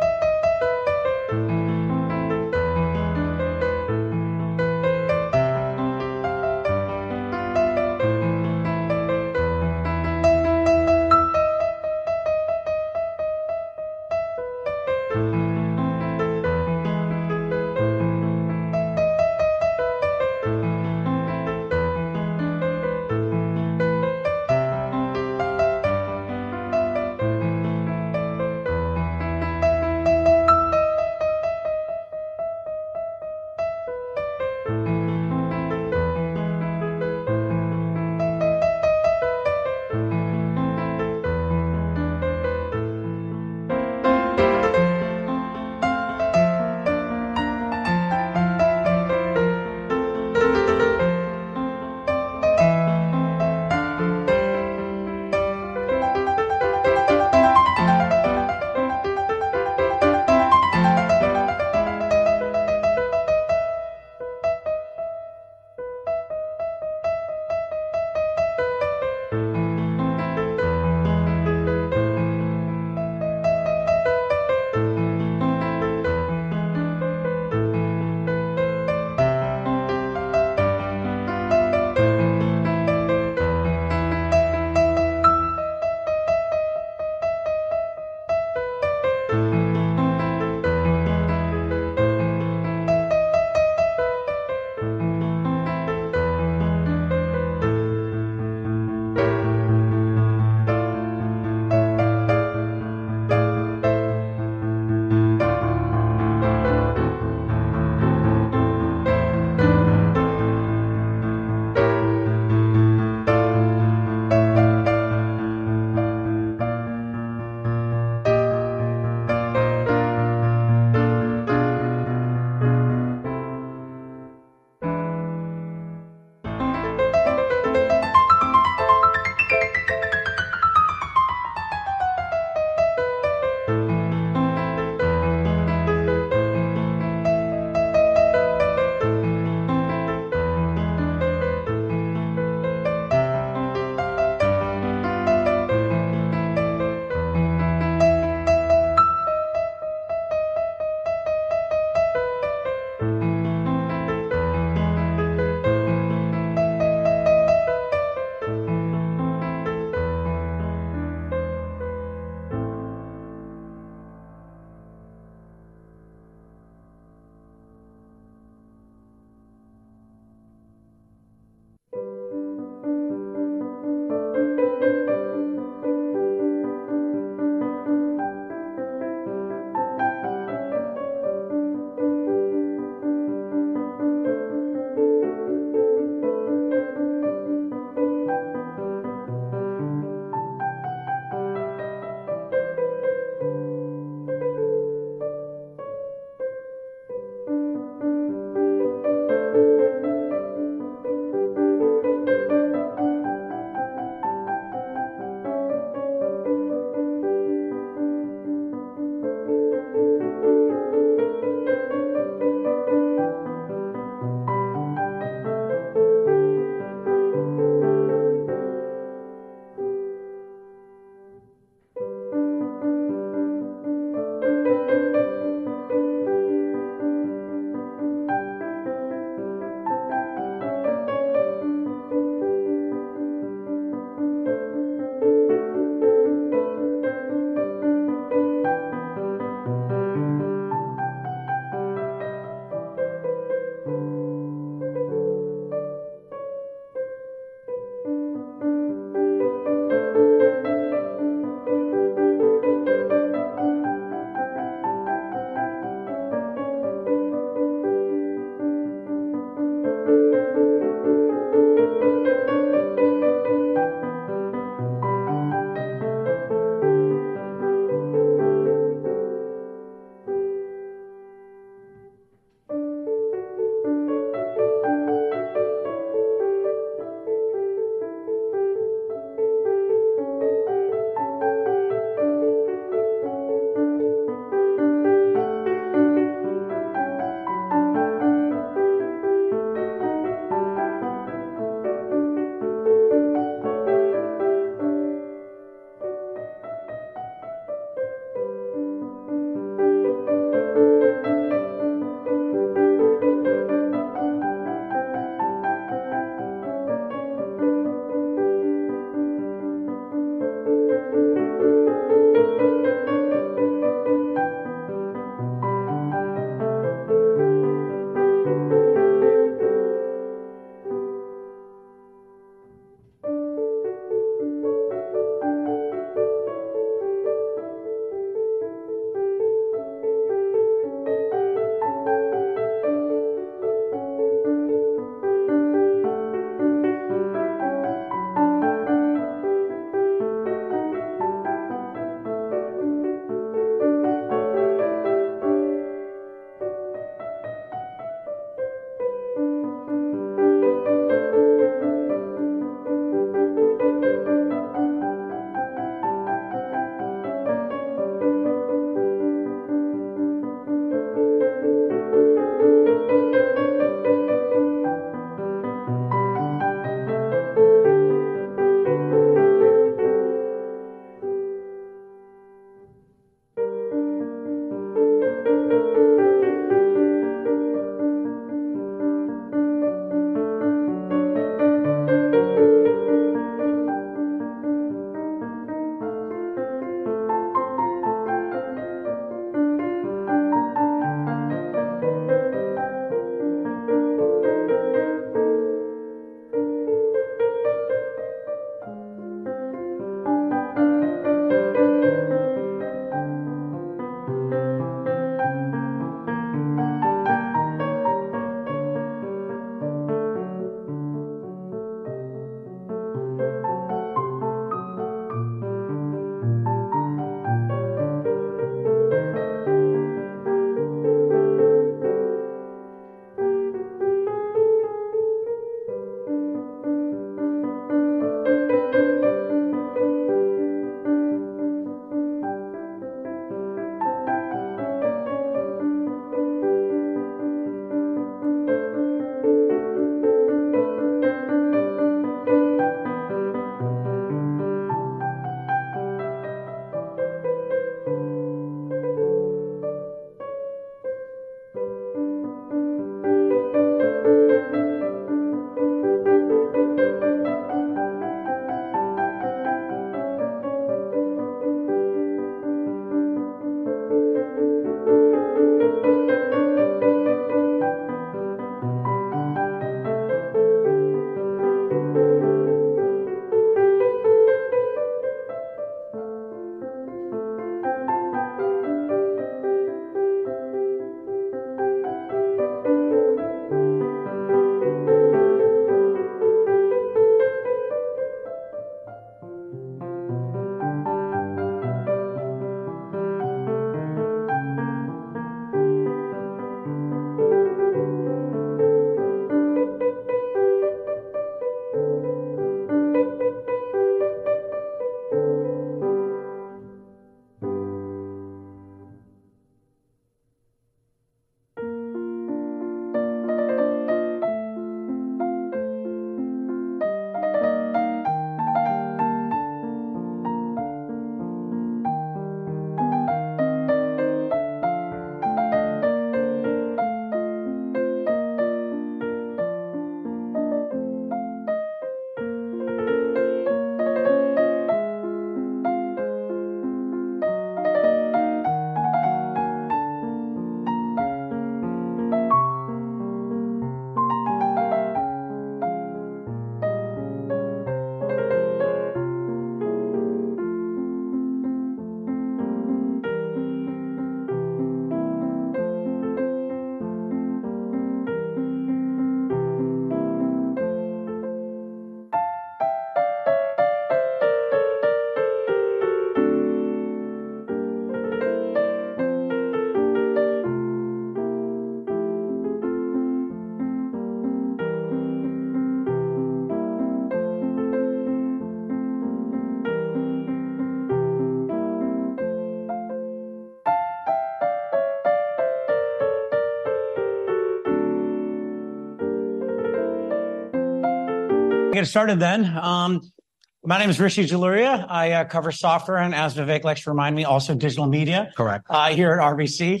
S5: Get started then. My name is Rishi Jaluria. I cover software, and as Vivek likes to remind me, also digital media.
S6: Correct.
S5: here at RBC.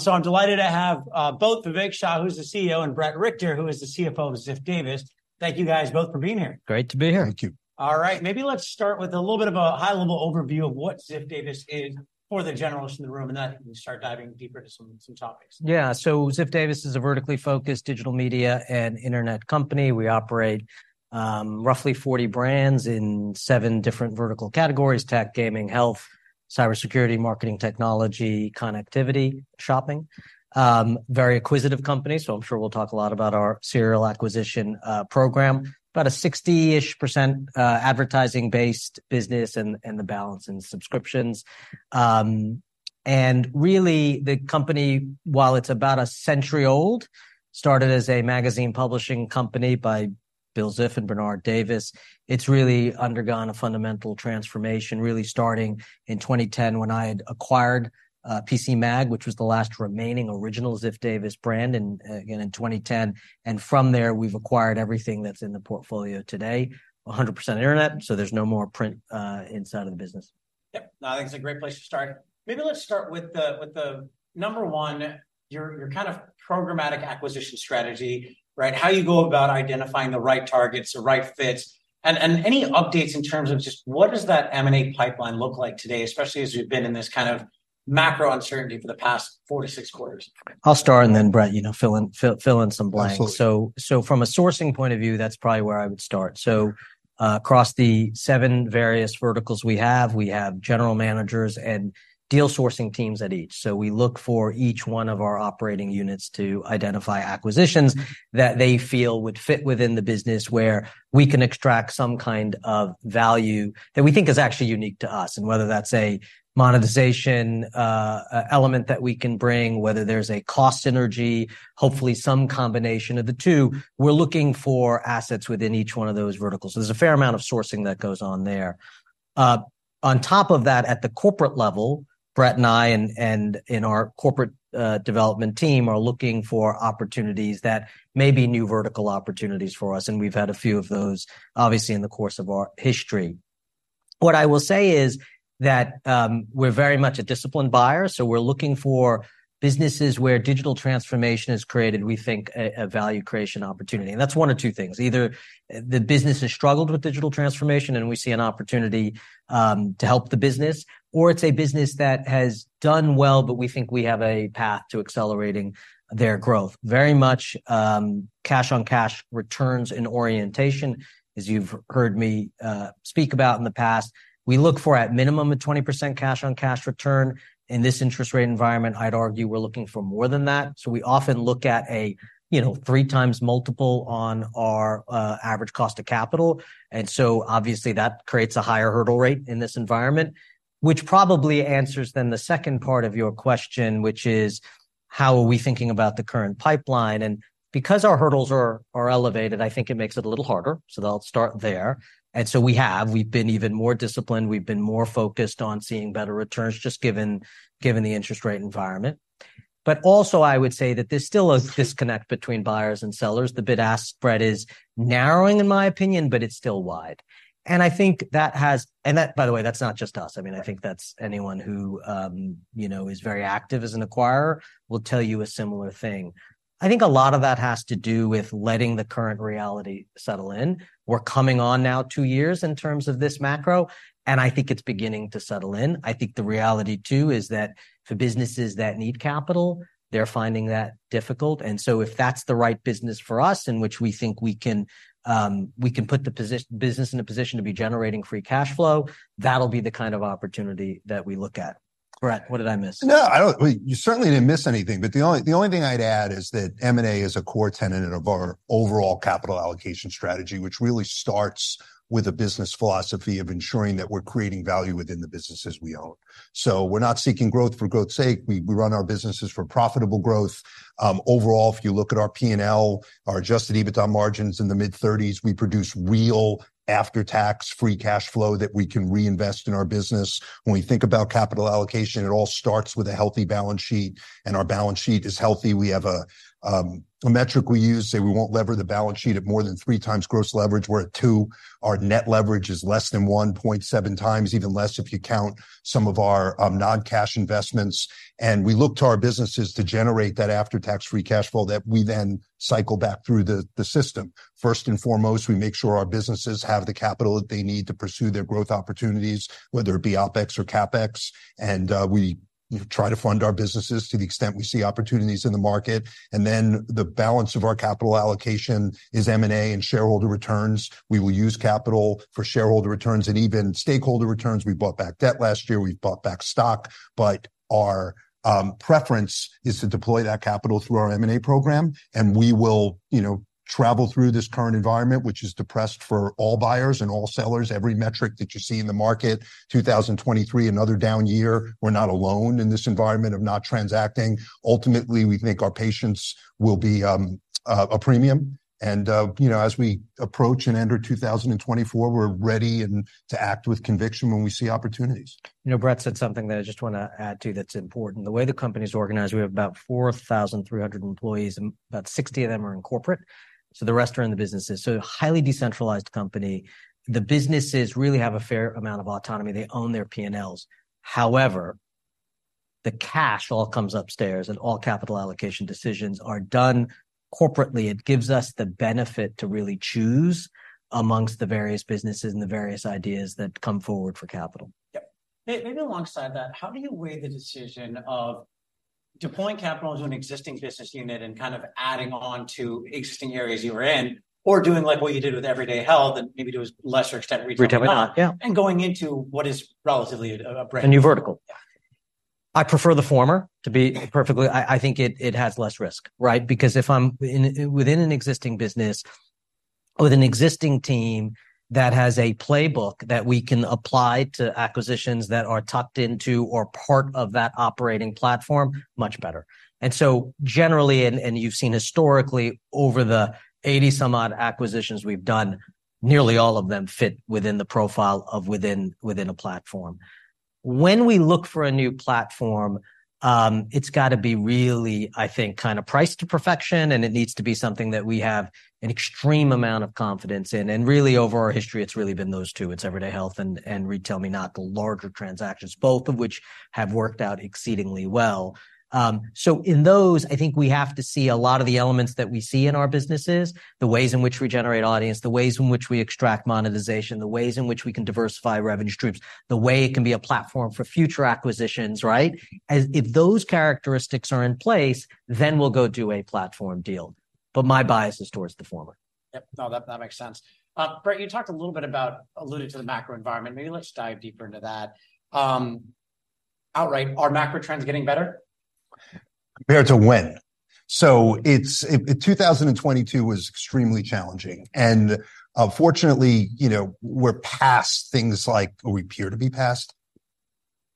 S5: So I'm delighted to have both Vivek Shah, who's the CEO, and Bret Richter, who is the CFO of Ziff Davis. Thank you guys both for being here.
S6: Great to be here.
S7: Thank you.
S5: All right, maybe let's start with a little bit of a high-level overview of what Ziff Davis is for the generals in the room, and then we can start diving deeper into some, some topics.
S6: Yeah, so Ziff Davis is a vertically focused digital media and internet company. We operate roughly 40 brands in seven different vertical categories: tech, gaming, health, cybersecurity, marketing, technology, connectivity, shopping. Very acquisitive company, so I'm sure we'll talk a lot about our serial acquisition program. About a 60-ish% advertising-based business, and the balance in subscriptions. Really, the company, while it's about a century old, started as a magazine publishing company by Bill Ziff and Bernard Davis. It's really undergone a fundamental transformation, really starting in 2010, when I had acquired PCMag, which was the last remaining original Ziff Davis brand, and again, in 2010. From there, we've acquired everything that's in the portfolio today, 100% internet, so there's no more print inside of the business.
S5: Yep. No, I think it's a great place to start. Maybe let's start with the number one, your kind of programmatic acquisition strategy, right? How you go about identifying the right targets, the right fits, and any updates in terms of just what does that M and A pipeline look like today, especially as we've been in this kind of macro uncertainty for the past four to six quarters.
S6: I'll start, and then Brett, you know, fill in some blanks.
S7: Absolutely.
S6: From a sourcing point of view, that's probably where I would start. Across the seven various verticals we have, we have general managers and deal sourcing teams at each. So we look for each one of our operating units to identify acquisitions that they feel would fit within the business, where we can extract some kind of value that we think is actually unique to us, and whether that's a monetization element that we can bring, whether there's a cost synergy, hopefully some combination of the two. We're looking for assets within each one of those verticals, so there's a fair amount of sourcing that goes on there. On top of that, at the corporate level, Brett and I and our corporate development team are looking for opportunities that may be new vertical opportunities for us, and we've had a few of those, obviously, in the course of our history. What I will say is that, we're very much a disciplined buyer, so we're looking for businesses where digital transformation has created, we think, a value creation opportunity. And that's one of two things: either the business has struggled with digital transformation, and we see an opportunity to help the business, or it's a business that has done well, but we think we have a path to accelerating their growth. Very much, cash-on-cash returns and orientation. As you've heard me speak about in the past, we look for, at minimum, a 20% cash-on-cash return. In this interest rate environment, I'd argue we're looking for more than that. So we often look at a, you know, 3 times multiple on our average cost of capital, and so obviously that creates a higher hurdle rate in this environment. Which probably answers then the second part of your question, which is: how are we thinking about the current pipeline? And because our hurdles are elevated, I think it makes it a little harder, so I'll start there. We've been even more disciplined. We've been more focused on seeing better returns, just given the interest rate environment. But also, I would say that there's still a disconnect between buyers and sellers. The bid-ask spread is narrowing, in my opinion, but it's still wide. And I think that has... And that, by the way, that's not just us. I mean, I think that's anyone who, you know, is very active as an acquirer will tell you a similar thing. I think a lot of that has to do with letting the current reality settle in. We're coming on now two years in terms of this macro, and I think it's beginning to settle in. I think the reality, too, is that for businesses that need capital, they're finding that difficult. And so if that's the right business for us, in which we think we can, we can put the business in a position to be generating free cash flow, that'll be the kind of opportunity that we look at. Brett, what did I miss?
S7: No, I don't-- well, you certainly didn't miss anything, but the only, the only thing I'd add is that M&A is a core tenet of our overall capital allocation strategy, which really starts with a business philosophy of ensuring that we're creating value within the businesses we own. So we're not seeking growth for growth's sake. We, we run our businesses for profitable growth. Overall, if you look at our P&L, our adjusted EBITDA margin's in the mid-30s%, we produce real after-tax free cash flow that we can reinvest in our business. When we think about capital allocation, it all starts with a healthy balance sheet, and our balance sheet is healthy. We have a, a metric we use, say we won't lever the balance sheet at more than 3x gross leverage. We're at two. Our net leverage is less than 1.7 times, even less if you count some of our, non-cash investments, and we look to our businesses to generate that after-tax free cash flow that we then cycle back through the system. First and foremost, we make sure our businesses have the capital that they need to pursue their growth opportunities, whether it be OpEx or CapEx, and, we try to fund our businesses to the extent we see opportunities in the market. And then, the balance of our capital allocation is M&A and shareholder returns. We will use capital for shareholder returns and even stakeholder returns. We bought back debt last year. We've bought back stock. But our preference is to deploy that capital through our M&A program, and we will, you know, travel through this current environment, which is depressed for all buyers and all sellers. Every metric that you see in the market, 2023, another down year. We're not alone in this environment of not transacting. Ultimately, we think our patience will be a premium, and, you know, as we approach and enter 2024, we're ready and to act with conviction when we see opportunities.
S6: You know, Brett said something that I just wanna add to that's important. The way the company's organized, we have about 4,300 employees, and about 60 of them are in corporate, so the rest are in the businesses, so a highly decentralized company. The businesses really have a fair amount of autonomy. They own their P&Ls. However, the cash all comes upstairs, and all capital allocation decisions are done corporately. It gives us the benefit to really choose among the various businesses and the various ideas that come forward for capital.
S5: Yep. Maybe alongside that, how do you weigh the decision of deploying capital into an existing business unit and kind of adding on to existing areas you are in, or doing like what you did with Everyday Health and maybe to a lesser extent, Retail...
S6: RetailMeNot, yeah.
S5: Going into what is relatively a brand-
S6: A new vertical?
S5: Yeah.
S6: I prefer the former, to be perfectly... I think it has less risk, right? Because if I'm within an existing business with an existing team that has a playbook that we can apply to acquisitions that are tucked into or part of that operating platform, much better. And so generally, you've seen historically over the 80-some odd acquisitions we've done, nearly all of them fit within the profile of a platform. When we look for a new platform, it's got to be really, I think, kind of priced to perfection, and it needs to be something that we have an extreme amount of confidence in. And really, over our history, it's really been those two. It's Everyday Health and RetailMeNot, the larger transactions, both of which have worked out exceedingly well. So in those, I think we have to see a lot of the elements that we see in our businesses, the ways in which we generate audience, the ways in which we extract monetization, the ways in which we can diversify revenue streams, the way it can be a platform for future acquisitions, right? As if those characteristics are in place, then we'll go do a platform deal, but my bias is towards the former.
S5: Yep. No, that, that makes sense. Bret, you talked a little bit about... alluded to the macro environment. Maybe let's dive deeper into that. Outright, are macro trends getting better?
S7: Compared to when? So it's 2022 was extremely challenging, and, fortunately, you know, we're past things like, or we appear to be past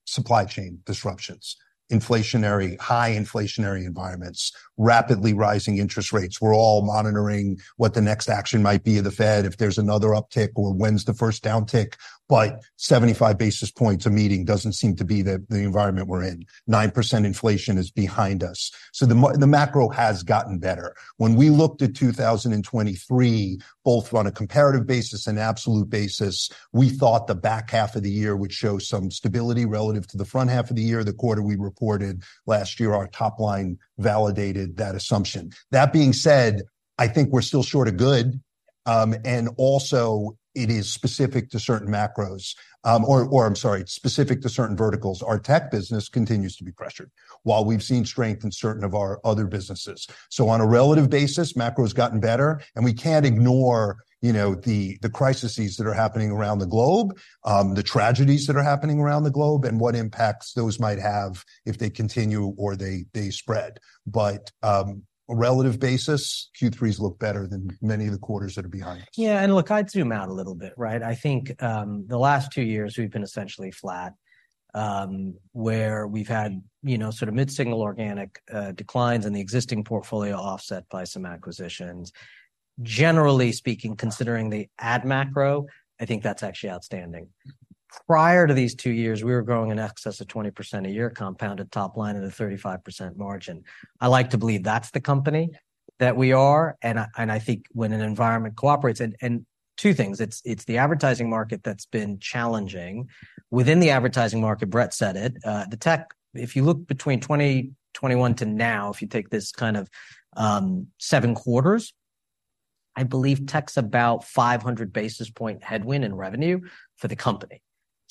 S7: supply chain disruptions, high inflationary environments, rapidly rising interest rates. We're all monitoring what the next action might be of the Fed, if there's another uptick or when's the first downtick, but 75 basis points a meeting doesn't seem to be the environment we're in. 9% inflation is behind us, so the macro has gotten better. When we looked at 2023, both on a comparative basis and absolute basis, we thought the back half of the year would show some stability relative to the front half of the year. The quarter we reported last year, our top line validated that assumption. That being said, I think we're still short of good, and also it is specific to certain macros. Or, I'm sorry, specific to certain verticals. Our tech business continues to be pressured, while we've seen strength in certain of our other businesses. So on a relative basis, macro has gotten better, and we can't ignore, you know, the crises that are happening around the globe, the tragedies that are happening around the globe, and what impacts those might have if they continue or they spread. But on a relative basis, Q3's look better than many of the quarters that are behind us.
S6: Yeah, and look, I'd zoom out a little bit, right? I think, the last two years we've been essentially flat, where we've had, you know, sort of mid-single organic, declines in the existing portfolio, offset by some acquisitions. Generally speaking, considering the bad macro, I think that's actually outstanding. Prior to these two years, we were growing in excess of 20% a year, compounded top line at a 35% margin. I like to believe that's the company that we are, and I, and I think when an environment cooperates... And, and two things, it's, it's the advertising market that's been challenging. Within the advertising market, Bret said it, the tech, if you look between 2021 to now, if you take this kind of, seven quarters-... I believe tech's about 500 basis point headwind in revenue for the company.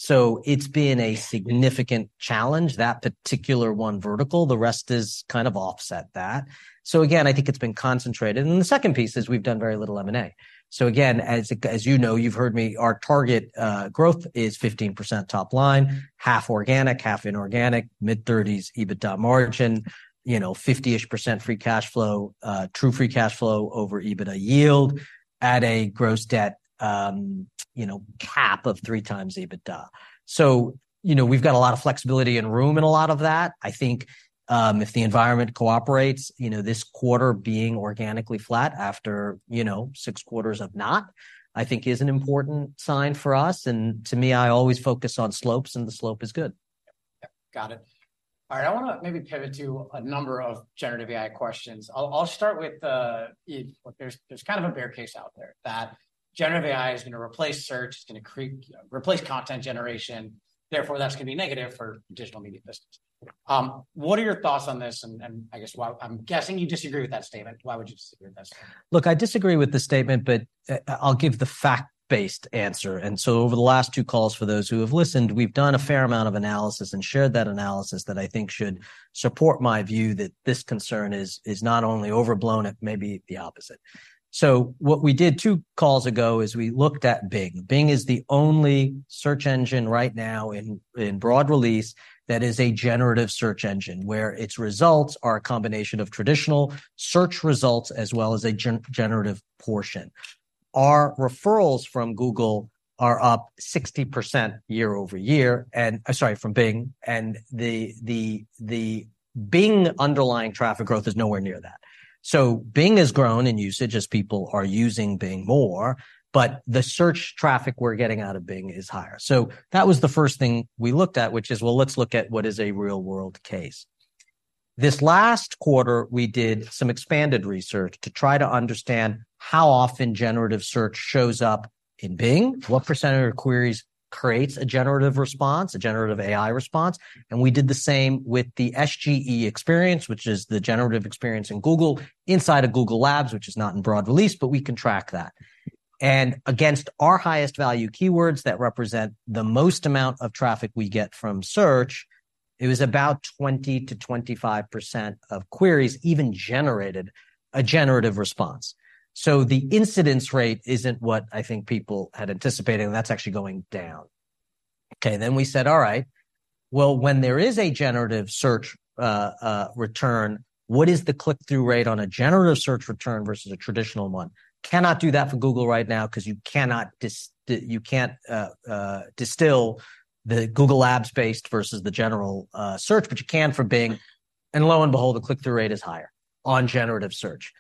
S6: So it's been a significant challenge, that particular one vertical. The rest is kind of offset that. So again, I think it's been concentrated. And then the second piece is we've done very little M&A. So again, as you know, you've heard me, our target growth is 15% top line, half organic, half inorganic, mid-30s EBITDA margin, you know, 50-ish% free cash flow, true free cash flow over EBITDA yield at a gross debt, you know, cap of 3x EBITDA. So, you know, we've got a lot of flexibility and room in a lot of that. I think, if the environment cooperates, you know, this quarter being organically flat after, you know, 6 quarters of not, I think is an important sign for us, and to me, I always focus on slopes, and the slope is good.
S5: Yep, got it. All right. I wanna maybe pivot to a number of generative AI questions. I'll start with, look, there's kind of a bear case out there that generative AI is gonna replace search, it's gonna replace content generation, therefore, that's gonna be negative for digital media business. What are your thoughts on this? And I guess, well, I'm guessing you disagree with that statement. Why would you disagree with that statement?
S6: Look, I disagree with the statement, but I'll give the fact-based answer. So over the last two calls, for those who have listened, we've done a fair amount of analysis and shared that analysis that I think should support my view that this concern is not only overblown, it may be the opposite. So what we did two calls ago is we looked at Bing. Bing is the only search engine right now in broad release that is a generative search engine, where its results are a combination of traditional search results as well as a generative portion. Our referrals from Google are up 60% year-over-year, and sorry, from Bing, and the Bing underlying traffic growth is nowhere near that. So Bing has grown in usage as people are using Bing more, but the search traffic we're getting out of Bing is higher. So that was the first thing we looked at, which is, well, let's look at what is a real-world case. This last quarter, we did some expanded research to try to understand how often generative search shows up in Bing, what percentage of queries creates a generative response, a generative AI response, and we did the same with the SGE experience, which is the generative experience in Google, inside of Google Labs, which is not in broad release, but we can track that. And against our highest value keywords that represent the most amount of traffic we get from search, it was about 20%-25% of queries even generated a generative response. So the incidence rate isn't what I think people had anticipated, and that's actually going down. Okay, then we said: All right, well, when there is a generative search return, what is the click-through rate on a generative search return versus a traditional one? Cannot do that for Google right now, 'cause you cannot distill the Google Labs-based versus the general search, but you can for Bing, and lo and behold, the click-through rate is higher on generative search.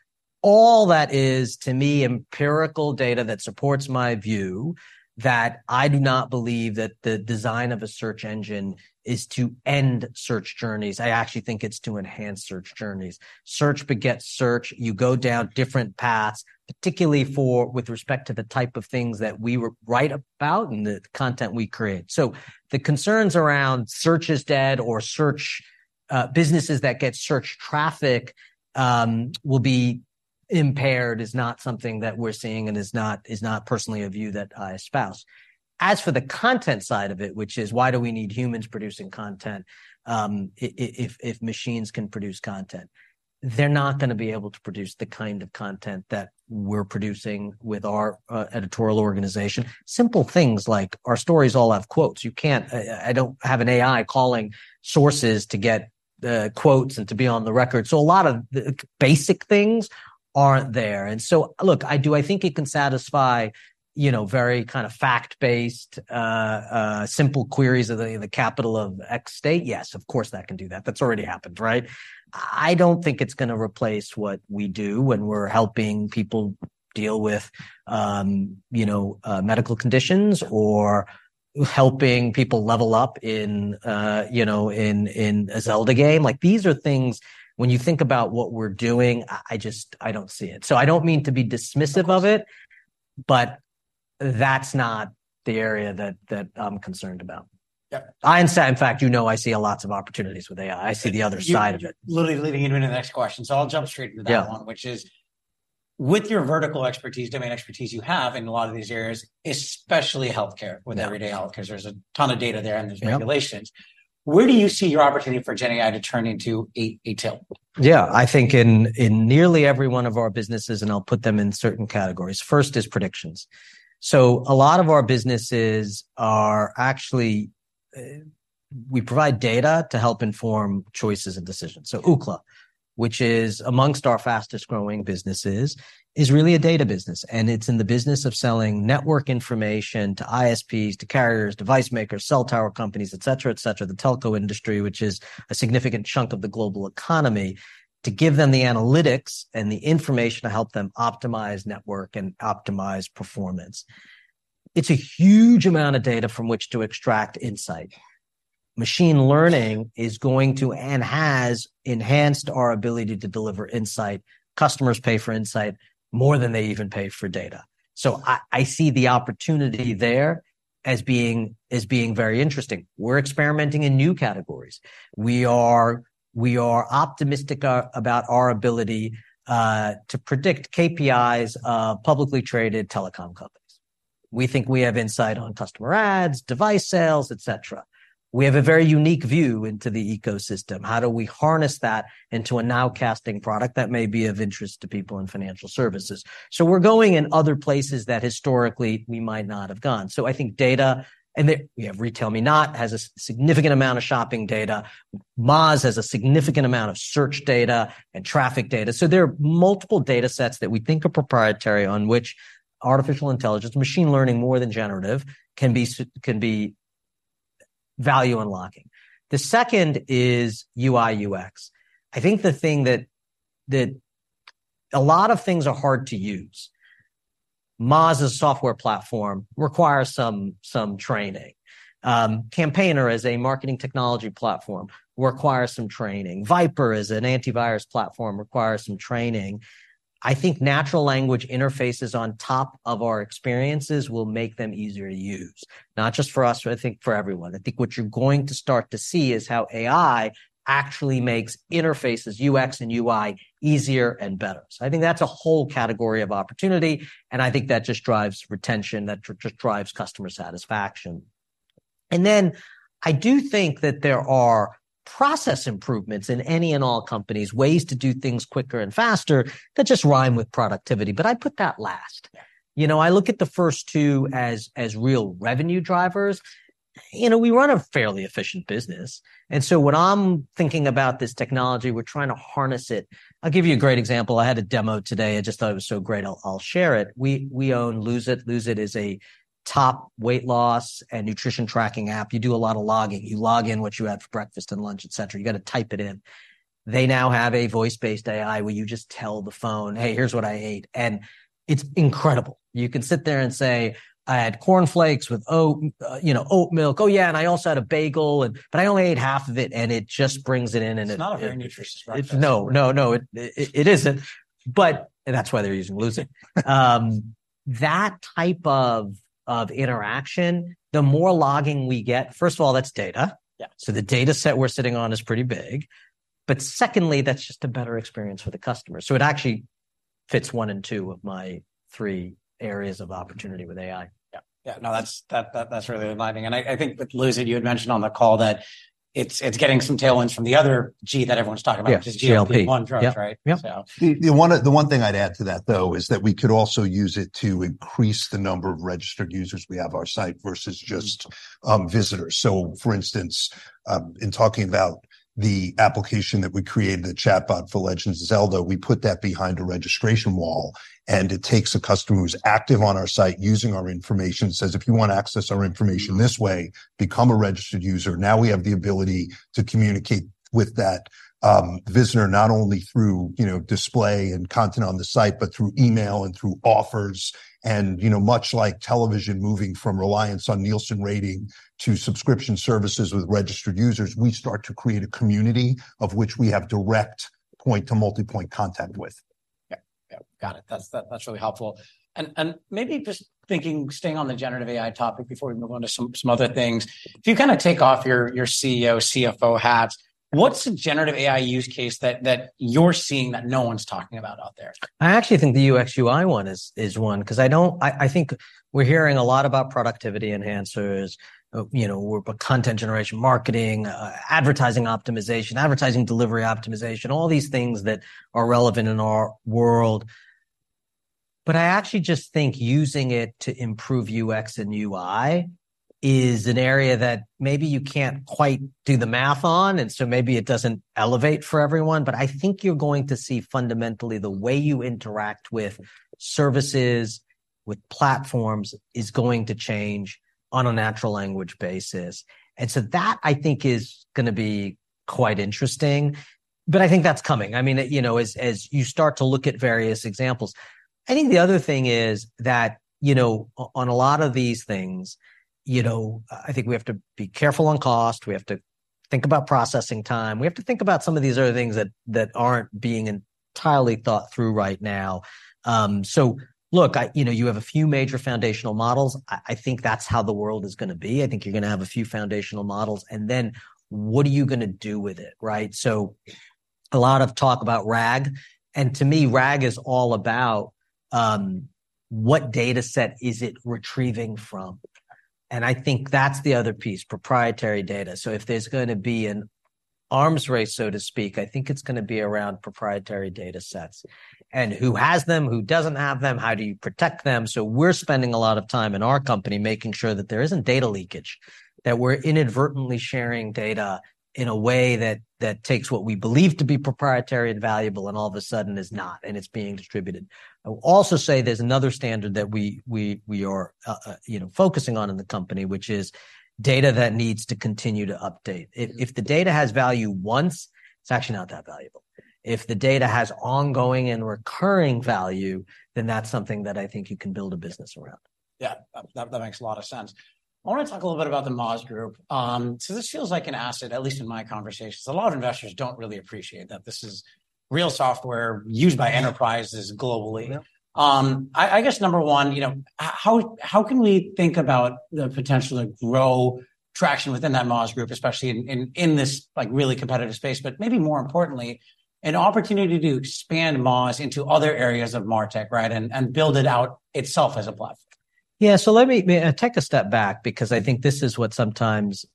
S6: All that is, to me, empirical data that supports my view, that I do not believe that the design of a search engine is to end search journeys. I actually think it's to enhance search journeys. Search begets search. You go down different paths, particularly for, with respect to the type of things that we write about and the content we create. So the concerns around search is dead or search, businesses that get search traffic, will be impaired is not something that we're seeing and is not, is not personally a view that I espouse. As for the content side of it, which is why do we need humans producing content, if, if machines can produce content? They're not gonna be able to produce the kind of content that we're producing with our, editorial organization. Simple things like our stories all have quotes. You can't... I, I don't have an AI calling sources to get, quotes and to be on the record. So a lot of the basic things aren't there. And so, look, do I think it can satisfy, you know, very kind of fact-based, simple queries of the capital of X state? Yes, of course, that can do that. That's already happened, right? I don't think it's gonna replace what we do when we're helping people deal with, you know, medical conditions or helping people level up in, you know, in, in a Zelda game. Like, these are things, when you think about what we're doing, I, I just, I don't see it. So I don't mean to be dismissive of it, but that's not the area that I'm concerned about.
S5: Yep.
S6: In fact, you know, I see a lot of opportunities with AI. I see the other side of it.
S5: You're literally leading into the next question, so I'll jump straight into that one.
S6: Yeah...
S5: which is, with your vertical expertise, domain expertise you have in a lot of these areas, especially healthcare-
S6: Yeah
S5: -with Everyday Health, 'cause there's a ton of data there, and there's regulations.
S6: Yeah.
S5: Where do you see your opportunity for GenAI to turn into a tail?
S6: Yeah, I think in nearly every one of our businesses, and I'll put them in certain categories. First is predictions. So a lot of our businesses are actually... We provide data to help inform choices and decisions. So Ookla, which is amongst our fastest growing businesses, is really a data business, and it's in the business of selling network information to ISPs, to carriers, device makers, cell tower companies, etc, etc, the telco industry, which is a significant chunk of the global economy, to give them the analytics and the information to help them optimize network and optimize performance. It's a huge amount of data from which to extract insight. Machine learning is going to, and has, enhanced our ability to deliver insight. Customers pay for insight more than they even pay for data. So I see the opportunity there.... as being very interesting. We're experimenting in new categories. We are optimistic about our ability to predict KPIs of publicly traded telecom companies. We think we have insight on customer ads, device sales, et cetera. We have a very unique view into the ecosystem. How do we harness that into a nowcasting product that may be of interest to people in financial services? So we're going in other places that historically we might not have gone. So I think data, and we have RetailMeNot, has a significant amount of shopping data. Moz has a significant amount of search data and traffic data. So there are multiple data sets that we think are proprietary, on which artificial intelligence, machine learning more than generative, can be value unlocking. The second is UI, UX. I think the thing that... A lot of things are hard to use. Moz's software platform requires some training. Campaigner as a marketing technology platform requires some training. VIPRE as an antivirus platform requires some training. I think natural language interfaces on top of our experiences will make them easier to use, not just for us, but I think for everyone. I think what you're going to start to see is how AI actually makes interfaces, UX and UI, easier and better. So I think that's a whole category of opportunity, and I think that just drives retention, that just drives customer satisfaction. And then I do think that there are process improvements in any and all companies, ways to do things quicker and faster that just rhyme with productivity, but I'd put that last. You know, I look at the first two as, as real revenue drivers. You know, we run a fairly efficient business, and so when I'm thinking about this technology, we're trying to harness it. I'll give you a great example. I had a demo today. I just thought it was so great, I'll share it. We own Lose It!. Lose It! is a top weight loss and nutrition tracking app. You do a lot of logging. You log in what you had for breakfast and lunch, et cetera. You've got to type it in. They now have a voice-based AI, where you just tell the phone, "Hey, here's what I ate," and it's incredible. You can sit there and say, "I had cornflakes with oat milk. Oh yeah, and I also had a bagel, but I only ate half of it," and it just brings it in, and it-
S5: It's not a very nutritious breakfast.
S6: No, no, no. It, it isn't, but... And that's why they're using Lose It! That type of interaction, the more logging we get, first of all, that's data.
S5: Yeah.
S6: So the data set we're sitting on is pretty big, but secondly, that's just a better experience for the customer. So it actually fits one in two of my three areas of opportunity with AI.
S5: Yeah. Yeah, no, that's really enlightening. I think with Lose It!, you had mentioned on the call that it's getting some tailwinds from the other G that everyone's talking about-
S6: Yeah, GLP...
S5: which is GLP-1 drugs, right?
S6: Yeah. Yeah.
S7: The one thing I'd add to that, though, is that we could also use it to increase the number of registered users we have on our site versus just-
S6: Mm...
S7: visitors. So for instance, in talking about the application that we created, the chatbot for Legends of Zelda, we put that behind a registration wall, and it takes a customer who's active on our site, using our information, says, "If you want to access our information this way, become a registered user." Now we have the ability to communicate with that, visitor, not only through, you know, display and content on the site, but through email and through offers. And, you know, much like television moving from reliance on Nielsen rating to subscription services with registered users, we start to create a community of which we have direct point-to-multipoint contact with.
S5: Yeah. Yeah, got it. That's really helpful. And maybe just thinking, staying on the generative AI topic before we move on to some other things, if you kind of take off your CEO, CFO hats, what's a generative AI use case that you're seeing that no one's talking about out there?
S6: I actually think the UX/UI one is, is one, 'cause I don't- I, I think we're hearing a lot about productivity enhancers, you know, but content generation, marketing, advertising optimization, advertising delivery optimization, all these things that are relevant in our world. But I actually just think using it to improve UX and UI is an area that maybe you can't quite do the math on, and so maybe it doesn't elevate for everyone. But I think you're going to see fundamentally the way you interact with services, with platforms, is going to change on a natural language basis, and so that, I think, is gonna be quite interesting. But I think that's coming. I mean, you know, as, as you start to look at various examples. I think the other thing is that, you know, on a lot of these things, you know, I think we have to be careful on cost. We have to think about processing time. We have to think about some of these other things that aren't being entirely thought through right now. You know, you have a few major foundational models. I think that's how the world is gonna be. I think you're gonna have a few foundational models, and then what are you gonna do with it, right? So a lot of talk about RAG, and to me, RAG is all about what data set is it retrieving from? And I think that's the other piece, proprietary data. So if there's gonna be an arms race, so to speak, I think it's gonna be around proprietary data sets. And who has them? Who doesn't have them? How do you protect them? So we're spending a lot of time in our company making sure that there isn't data leakage, that we're inadvertently sharing data in a way that takes what we believe to be proprietary and valuable, and all of a sudden is not, and it's being distributed. I will also say there's another standard that we are, you know, focusing on in the company, which is data that needs to continue to update. If the data has value once, it's actually not that valuable. If the data has ongoing and recurring value, then that's something that I think you can build a business around.
S5: Yeah, that, that makes a lot of sense. I wanna talk a little bit about The Moz Group. So this feels like an asset, at least in my conversations. A lot of investors don't really appreciate that this is real software used by enterprises globally.
S6: Yeah.
S5: I guess number one, you know, how can we think about the potential to grow traction within that Moz group, especially in this, like, really competitive space, but maybe more importantly, an opportunity to expand Moz into other areas of MarTech, right? And build it out itself as a platform.
S6: Yeah, so let me take a step back, because I think this is what sometimes,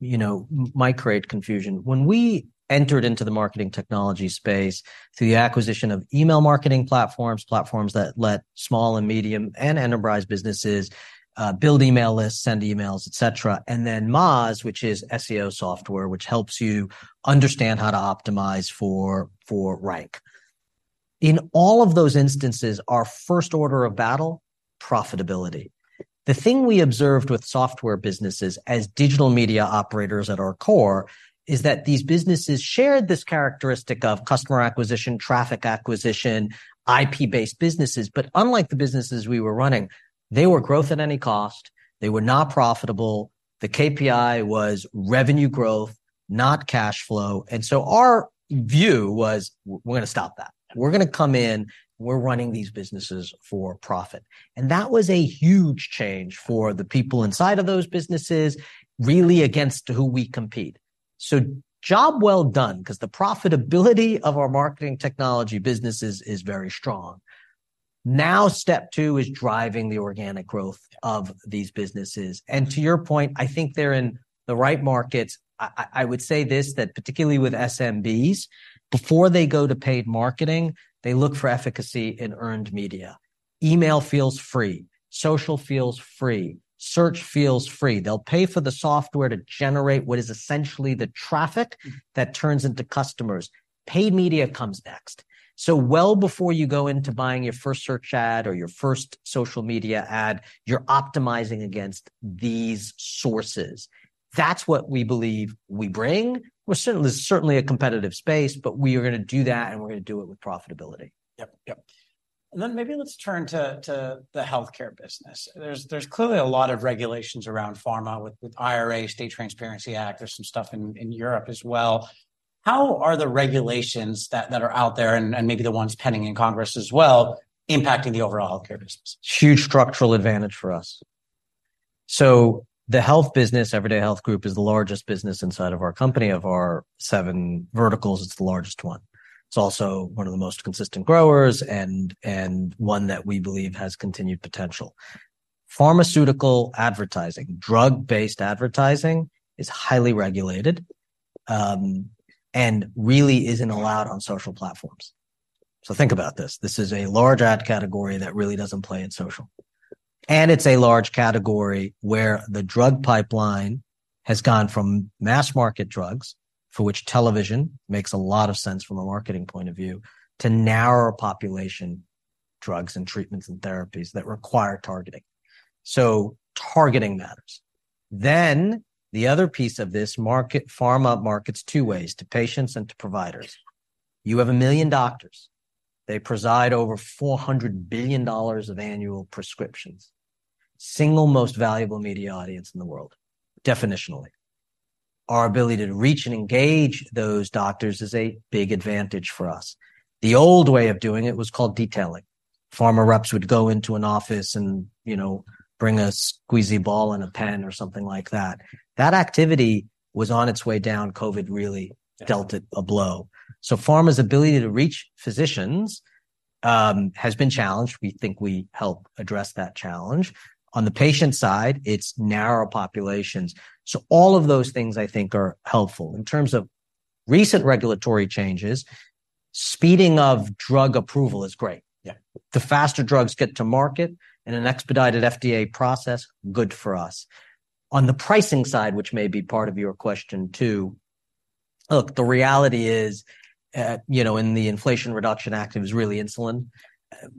S6: you know, might create confusion. When we entered into the marketing technology space through the acquisition of email marketing platforms, platforms that let small and medium and enterprise businesses build email lists, send emails, et cetera, and then Moz, which is SEO software, which helps you understand how to optimize for rank. In all of those instances, our first order of battle, profitability. The thing we observed with software businesses as digital media operators at our core, is that these businesses shared this characteristic of customer acquisition, traffic acquisition, IP-based businesses. But unlike the businesses we were running, they were growth at any cost, they were not profitable, the KPI was revenue growth, not cash flow. And so our view was: we're gonna stop that. We're gonna come in, we're running these businesses for profit. And that was a huge change for the people inside of those businesses, really against who we compete. So job well done, 'cause the profitability of our marketing technology businesses is very strong. Now, step two is driving the organic growth of these businesses. And to your point, I think they're in the right markets. I, I, I would say this, that particularly with SMBs, before they go to paid marketing, they look for efficacy in earned media. Email feels free, social feels free, search feels free. They'll pay for the software to generate what is essentially the traffic that turns into customers. Paid media comes next. So well before you go into buying your first search ad or your first social media ad, you're optimizing against these sources. That's what we believe we bring. We're certainly, it's certainly a competitive space, but we are gonna do that, and we're gonna do it with profitability.
S5: Yep. Yep. And then maybe let's turn to the healthcare business. There's clearly a lot of regulations around pharma, with IRA, State Transparency Act, there's some stuff in Europe as well. How are the regulations that are out there, and maybe the ones pending in Congress as well, impacting the overall healthcare business?
S6: Huge structural advantage for us. So the health business, Everyday Health Group, is the largest business inside of our company. Of our seven verticals, it's the largest one. It's also one of the most consistent growers and, and one that we believe has continued potential. Pharmaceutical advertising, drug-based advertising, is highly regulated, and really isn't allowed on social platforms. So think about this. This is a large ad category that really doesn't play in social, and it's a large category where the drug pipeline has gone from mass-market drugs, for which television makes a lot of sense from a marketing point of view, to narrower population drugs and treatments and therapies that require targeting. So targeting matters. Then, the other piece of this market... Pharma markets two ways: to patients and to providers. You have 1 million doctors. They preside over $400 billion of annual prescriptions. Single most valuable media audience in the world, definitionally. Our ability to reach and engage those doctors is a big advantage for us. The old way of doing it was called detailing. Pharma reps would go into an office and, you know, bring a squeezy ball and a pen or something like that. That activity was on its way down. COVID really dealt it a blow. So pharma's ability to reach physicians has been challenged. We think we help address that challenge. On the patient side, it's narrower populations. So all of those things, I think, are helpful. In terms of recent regulatory changes, speeding of drug approval is great.
S5: Yeah.
S6: The faster drugs get to market in an expedited FDA process, good for us. On the pricing side, which may be part of your question, too, look, the reality is, you know, in the Inflation Reduction Act, it was really insulin,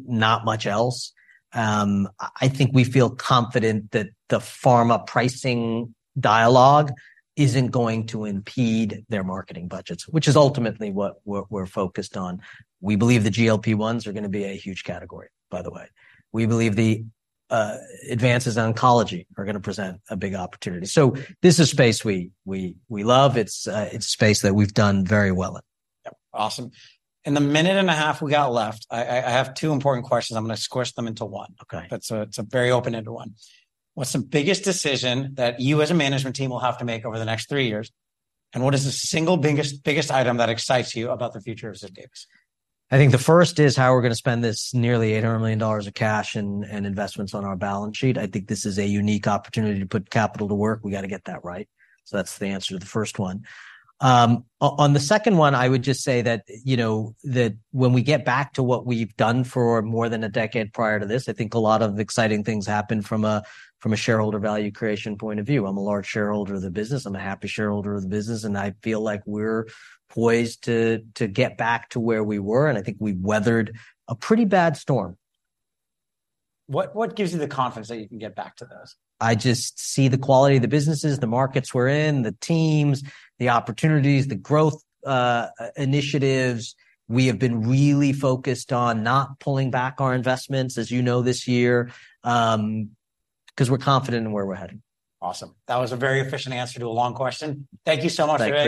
S6: not much else. I think we feel confident that the pharma pricing dialogue isn't going to impede their marketing budgets, which is ultimately what we're focused on. We believe the GLP-1s are gonna be a huge category, by the way. We believe the advances in oncology are gonna present a big opportunity. So this is a space we love. It's a space that we've done very well in.
S5: Yep. Awesome. In the minute and a half we got left, I have two important questions. I'm gonna squish them into one.
S6: Okay.
S5: But, it's a very open-ended one. What's the biggest decision that you as a management team will have to make over the next three years? And what is the single biggest, biggest item that excites you about the future of Ziff Davis?
S6: I think the first is how we're gonna spend this nearly $800 million of cash and investments on our balance sheet. I think this is a unique opportunity to put capital to work. We gotta get that right. So that's the answer to the first one. On the second one, I would just say that, you know, that when we get back to what we've done for more than a decade prior to this, I think a lot of exciting things happen from a, from a shareholder value creation point of view. I'm a large shareholder of the business, I'm a happy shareholder of the business, and I feel like we're poised to, to get back to where we were, and I think we've weathered a pretty bad storm.
S5: What, what gives you the confidence that you can get back to those?
S6: I just see the quality of the businesses, the markets we're in, the teams, the opportunities, the growth, initiatives. We have been really focused on not pulling back our investments, as you know, this year, 'cause we're confident in where we're headed.
S5: Awesome. That was a very efficient answer to a long question. Thank you so much, Vivek.